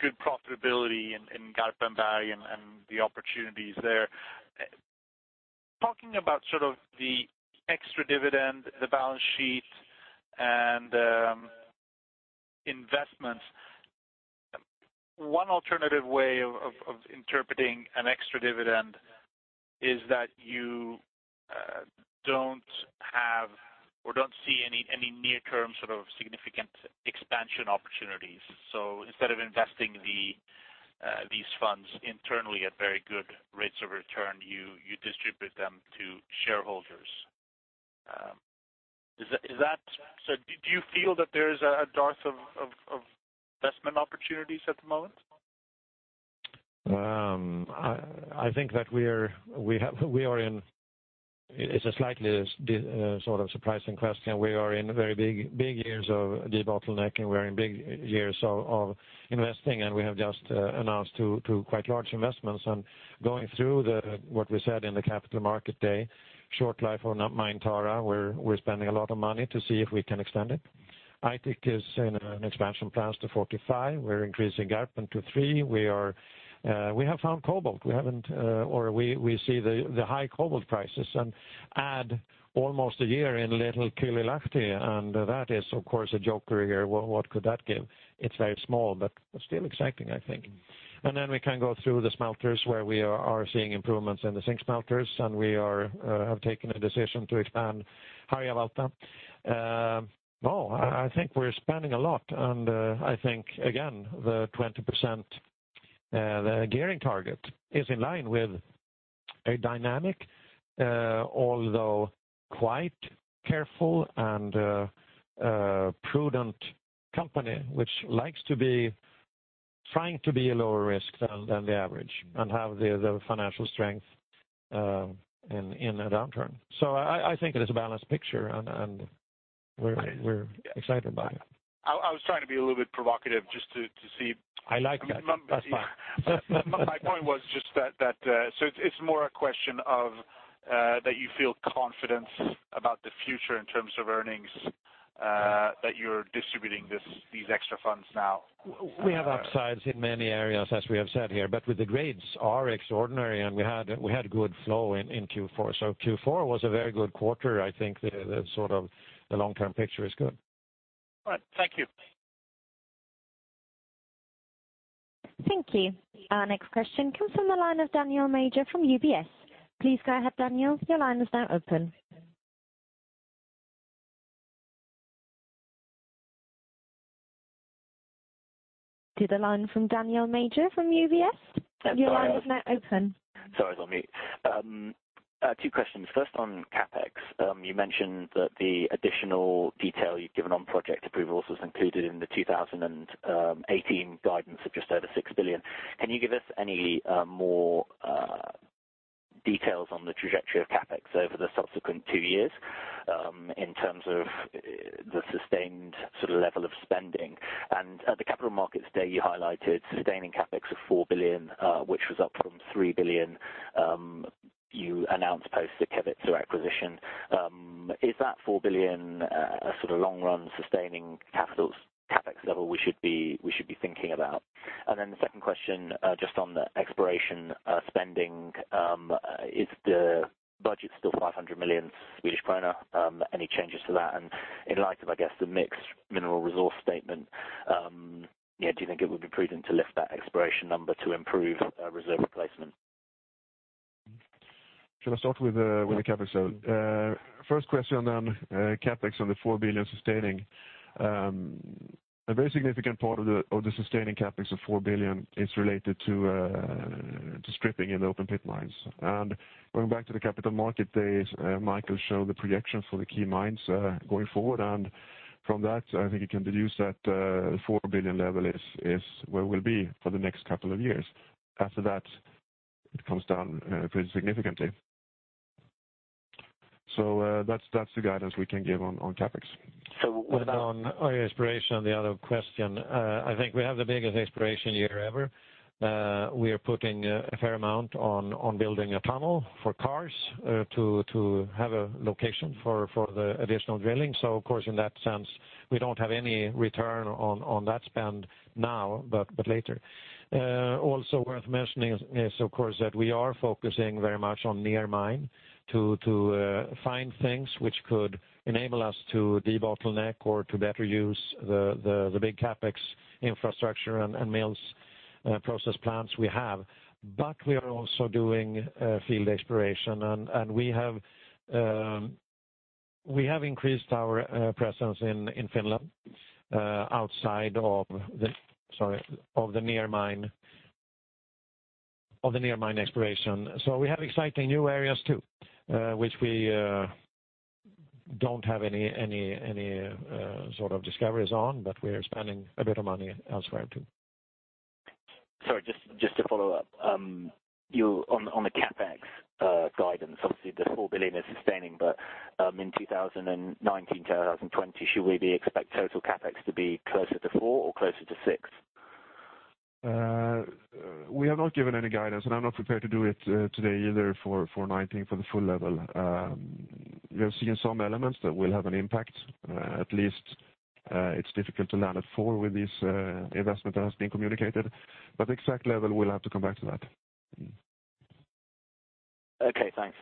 good profitability in Garpenberg and the opportunities there. Talking about sort of the extra dividend, the balance sheet, and investments. One alternative way of interpreting an extra dividend is that you do not have, or do not see any near-term sort of significant expansion opportunities. Instead of investing these funds internally at very good rates of return, you distribute them to shareholders. Do you feel that there is a dearth of investment opportunities at the moment? It's a slightly surprising question. We are in very big years of debottlenecking. We're in big years of investing, and we have just announced two quite large investments. Going through what we said in the Capital Markets Day, short life on Main Tara, we're spending a lot of money to see if we can extend it. Aitik is in expansion plans to 45. We're increasing Garpenberg to three. We have found cobalt. We see the high cobalt prices and add almost a year in little Kylylahti, and that is, of course, a joker here. What could that give? It's very small, but still exciting, I think. We can go through the smelters, where we are seeing improvements in the zinc smelters, and we have taken a decision to expand Harjavalta. I think we're spending a lot, and I think, again, the 20%, the gearing target is in line with a dynamic, although quite careful and prudent company, which likes to be trying to be a lower risk than the average and have the financial strength in a downturn. I think it is a balanced picture, and we're excited by it. I was trying to be a little bit provocative just to see. I like that. That's fine. My point was just that, it's more a question of that you feel confidence about the future in terms of earnings, that you're distributing these extra funds now. We have upsides in many areas, as we have said here. With the grades are extraordinary, and we had good flow in Q4. Q4 was a very good quarter. I think the long-term picture is good. All right. Thank you. Thank you. Our next question comes from the line of Daniel Major from UBS. Please go ahead, Daniel. Your line is now open. Sorry Your line is now open. Sorry, I was on mute. Two questions. First, on CapEx, you mentioned that the additional detail you've given on project approvals was included in the 2018 guidance of just over 6 billion. Can you give us any more details on the trajectory of CapEx over the subsequent two years in terms of the sustained level of spending? At the Capital Markets Day, you highlighted sustaining CapEx of 4 billion, which was up from 3 billion. You announced post the Kevitsa acquisition. Is that 4 billion a sort of long-run sustaining CapEx level we should be thinking about? The second question, just on the exploration spending, is the budget still 500 million Swedish krona? Any changes to that? In light of, I guess, the mixed mineral resource statement, do you think it would be prudent to lift that exploration number to improve reserve replacement? Shall I start with the CapEx? Yeah. First question on CapEx on the 4 billion sustaining. A very significant part of the sustaining CapEx of 4 billion is related to stripping in open pit mines. Going back to the Capital Markets Day, Michael showed the projection for the key mines going forward. From that, I think you can deduce that the 4 billion level is where we'll be for the next couple of years. After that, it comes down pretty significantly. That's the guidance we can give on CapEx. What about. On exploration, the other question, I think we have the biggest exploration year ever. We are putting a fair amount on building a tunnel for cars to have a location for the additional drilling. Of course, in that sense, we don't have any return on that spend now, but later. Also worth mentioning is, of course, that we are focusing very much on near mine to find things which could enable us to debottleneck or to better use the big CapEx infrastructure and mills process plants we have. We are also doing field exploration, and we have increased our presence in Finland outside of the near mine exploration. We have exciting new areas, too, which we don't have any sort of discoveries on, but we're spending a bit of money elsewhere, too. Sorry, just to follow up. On the CapEx guidance, obviously the 4 billion is sustaining, in 2019 to 2020, should we expect total CapEx to be closer to 4 billion or closer to 6 billion? We have not given any guidance, I'm not prepared to do it today either for 2019, for the full level. We have seen some elements that will have an impact. At least it's difficult to land at 4 billion with this investment that has been communicated. Exact level, we'll have to come back to that. Okay, thanks.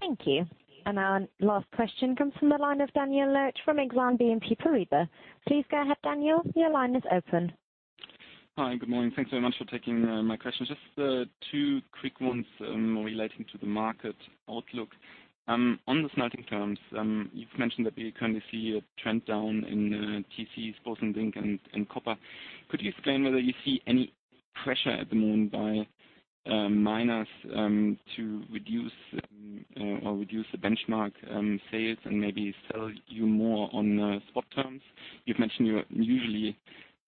Thank you. Our last question comes from the line of Daniel Loetsch from Exane BNP Paribas. Please go ahead, Daniel, your line is open. Hi. Good morning. Thanks very much for taking my questions. Just two quick ones relating to the market outlook. On the smelting terms, you've mentioned that we currently see a trend down in TCs, both in zinc and copper. Could you explain whether you see any pressure at the moment by miners to reduce the benchmark sales and maybe sell you more on spot terms? You've mentioned you're usually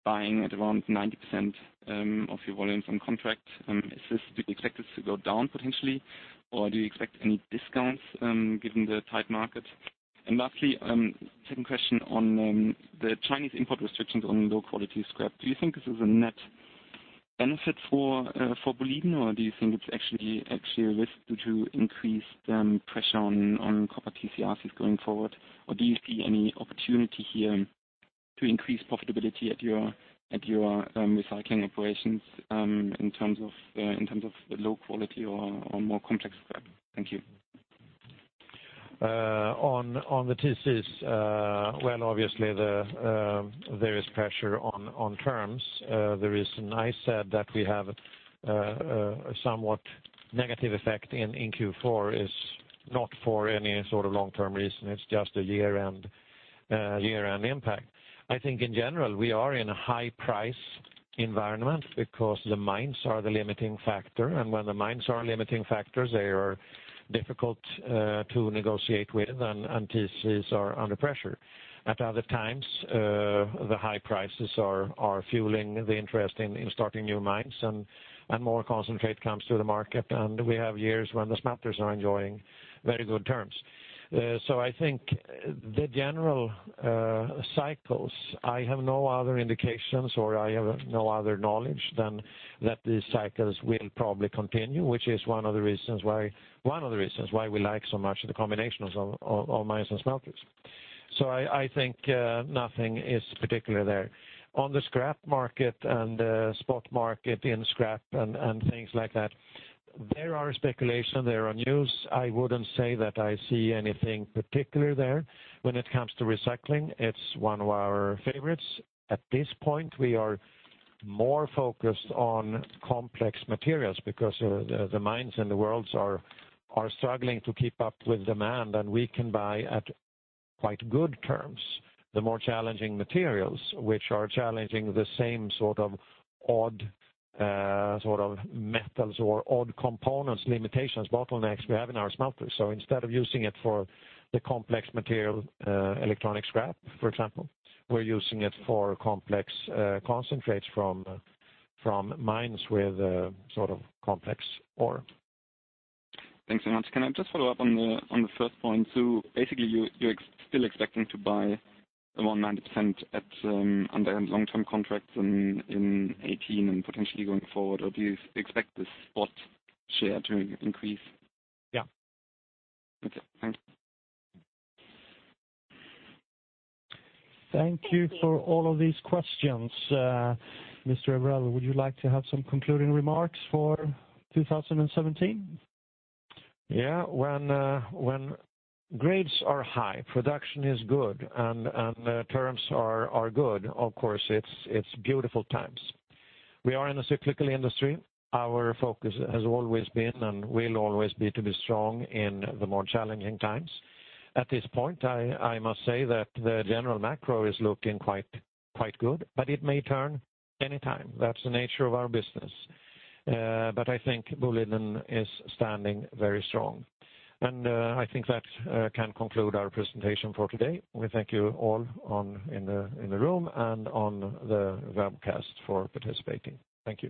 buying at around 90% of your volumes on contract. Do you expect this to go down potentially, or do you expect any discounts given the tight market? Lastly, second question on the Chinese import restrictions on low-quality scrap. Do you think this is a net benefit for Boliden, or do you think it's actually a risk due to increased pressure on copper TCs going forward? Do you see any opportunity here to increase profitability at your recycling operations in terms of low quality or more complex scrap? Thank you. On the TCs, well, obviously there is pressure on terms. The reason I said that we have a somewhat negative effect in Q4 is not for any sort of long-term reason. It's just a year-end impact. I think in general, we are in a high price environment because the mines are the limiting factor. When the mines are limiting factors, they are difficult to negotiate with, and TCs are under pressure. At other times, the high prices are fueling the interest in starting new mines, and more concentrate comes to the market. We have years when the smelters are enjoying very good terms. I think the general cycles, I have no other indications, or I have no other knowledge than that these cycles will probably continue, which is one of the reasons why we like so much the combination of mines and smelters. I think nothing is particular there. On the scrap market and spot market in scrap and things like that, there are speculation, there are news. I wouldn't say that I see anything particular there. When it comes to recycling, it's one of our favorites. At this point, we are more focused on complex materials because the mines in the world are struggling to keep up with demand, and we can buy at quite good terms. The more challenging materials, which are challenging the same sort of odd sort of metals or odd components, limitations, bottlenecks we have in our smelters. Instead of using it for the complex material electronic scrap, for example, we're using it for complex concentrates from mines with sort of complex ore. Thanks very much. Can I just follow up on the first point? Basically you're still expecting to buy around 90% under long-term contracts in 2018 and potentially going forward, or do you expect the spot share to increase? Yeah. Okay, thanks. Thank you for all of these questions. Mr. Evrell, would you like to have some concluding remarks for 2017? Yeah. When grades are high, production is good, and terms are good, of course, it's beautiful times. We are in a cyclical industry. Our focus has always been and will always be to be strong in the more challenging times. At this point, I must say that the general macro is looking quite good, but it may turn any time. That's the nature of our business. I think Boliden is standing very strong. I think that can conclude our presentation for today. We thank you all in the room and on the webcast for participating. Thank you.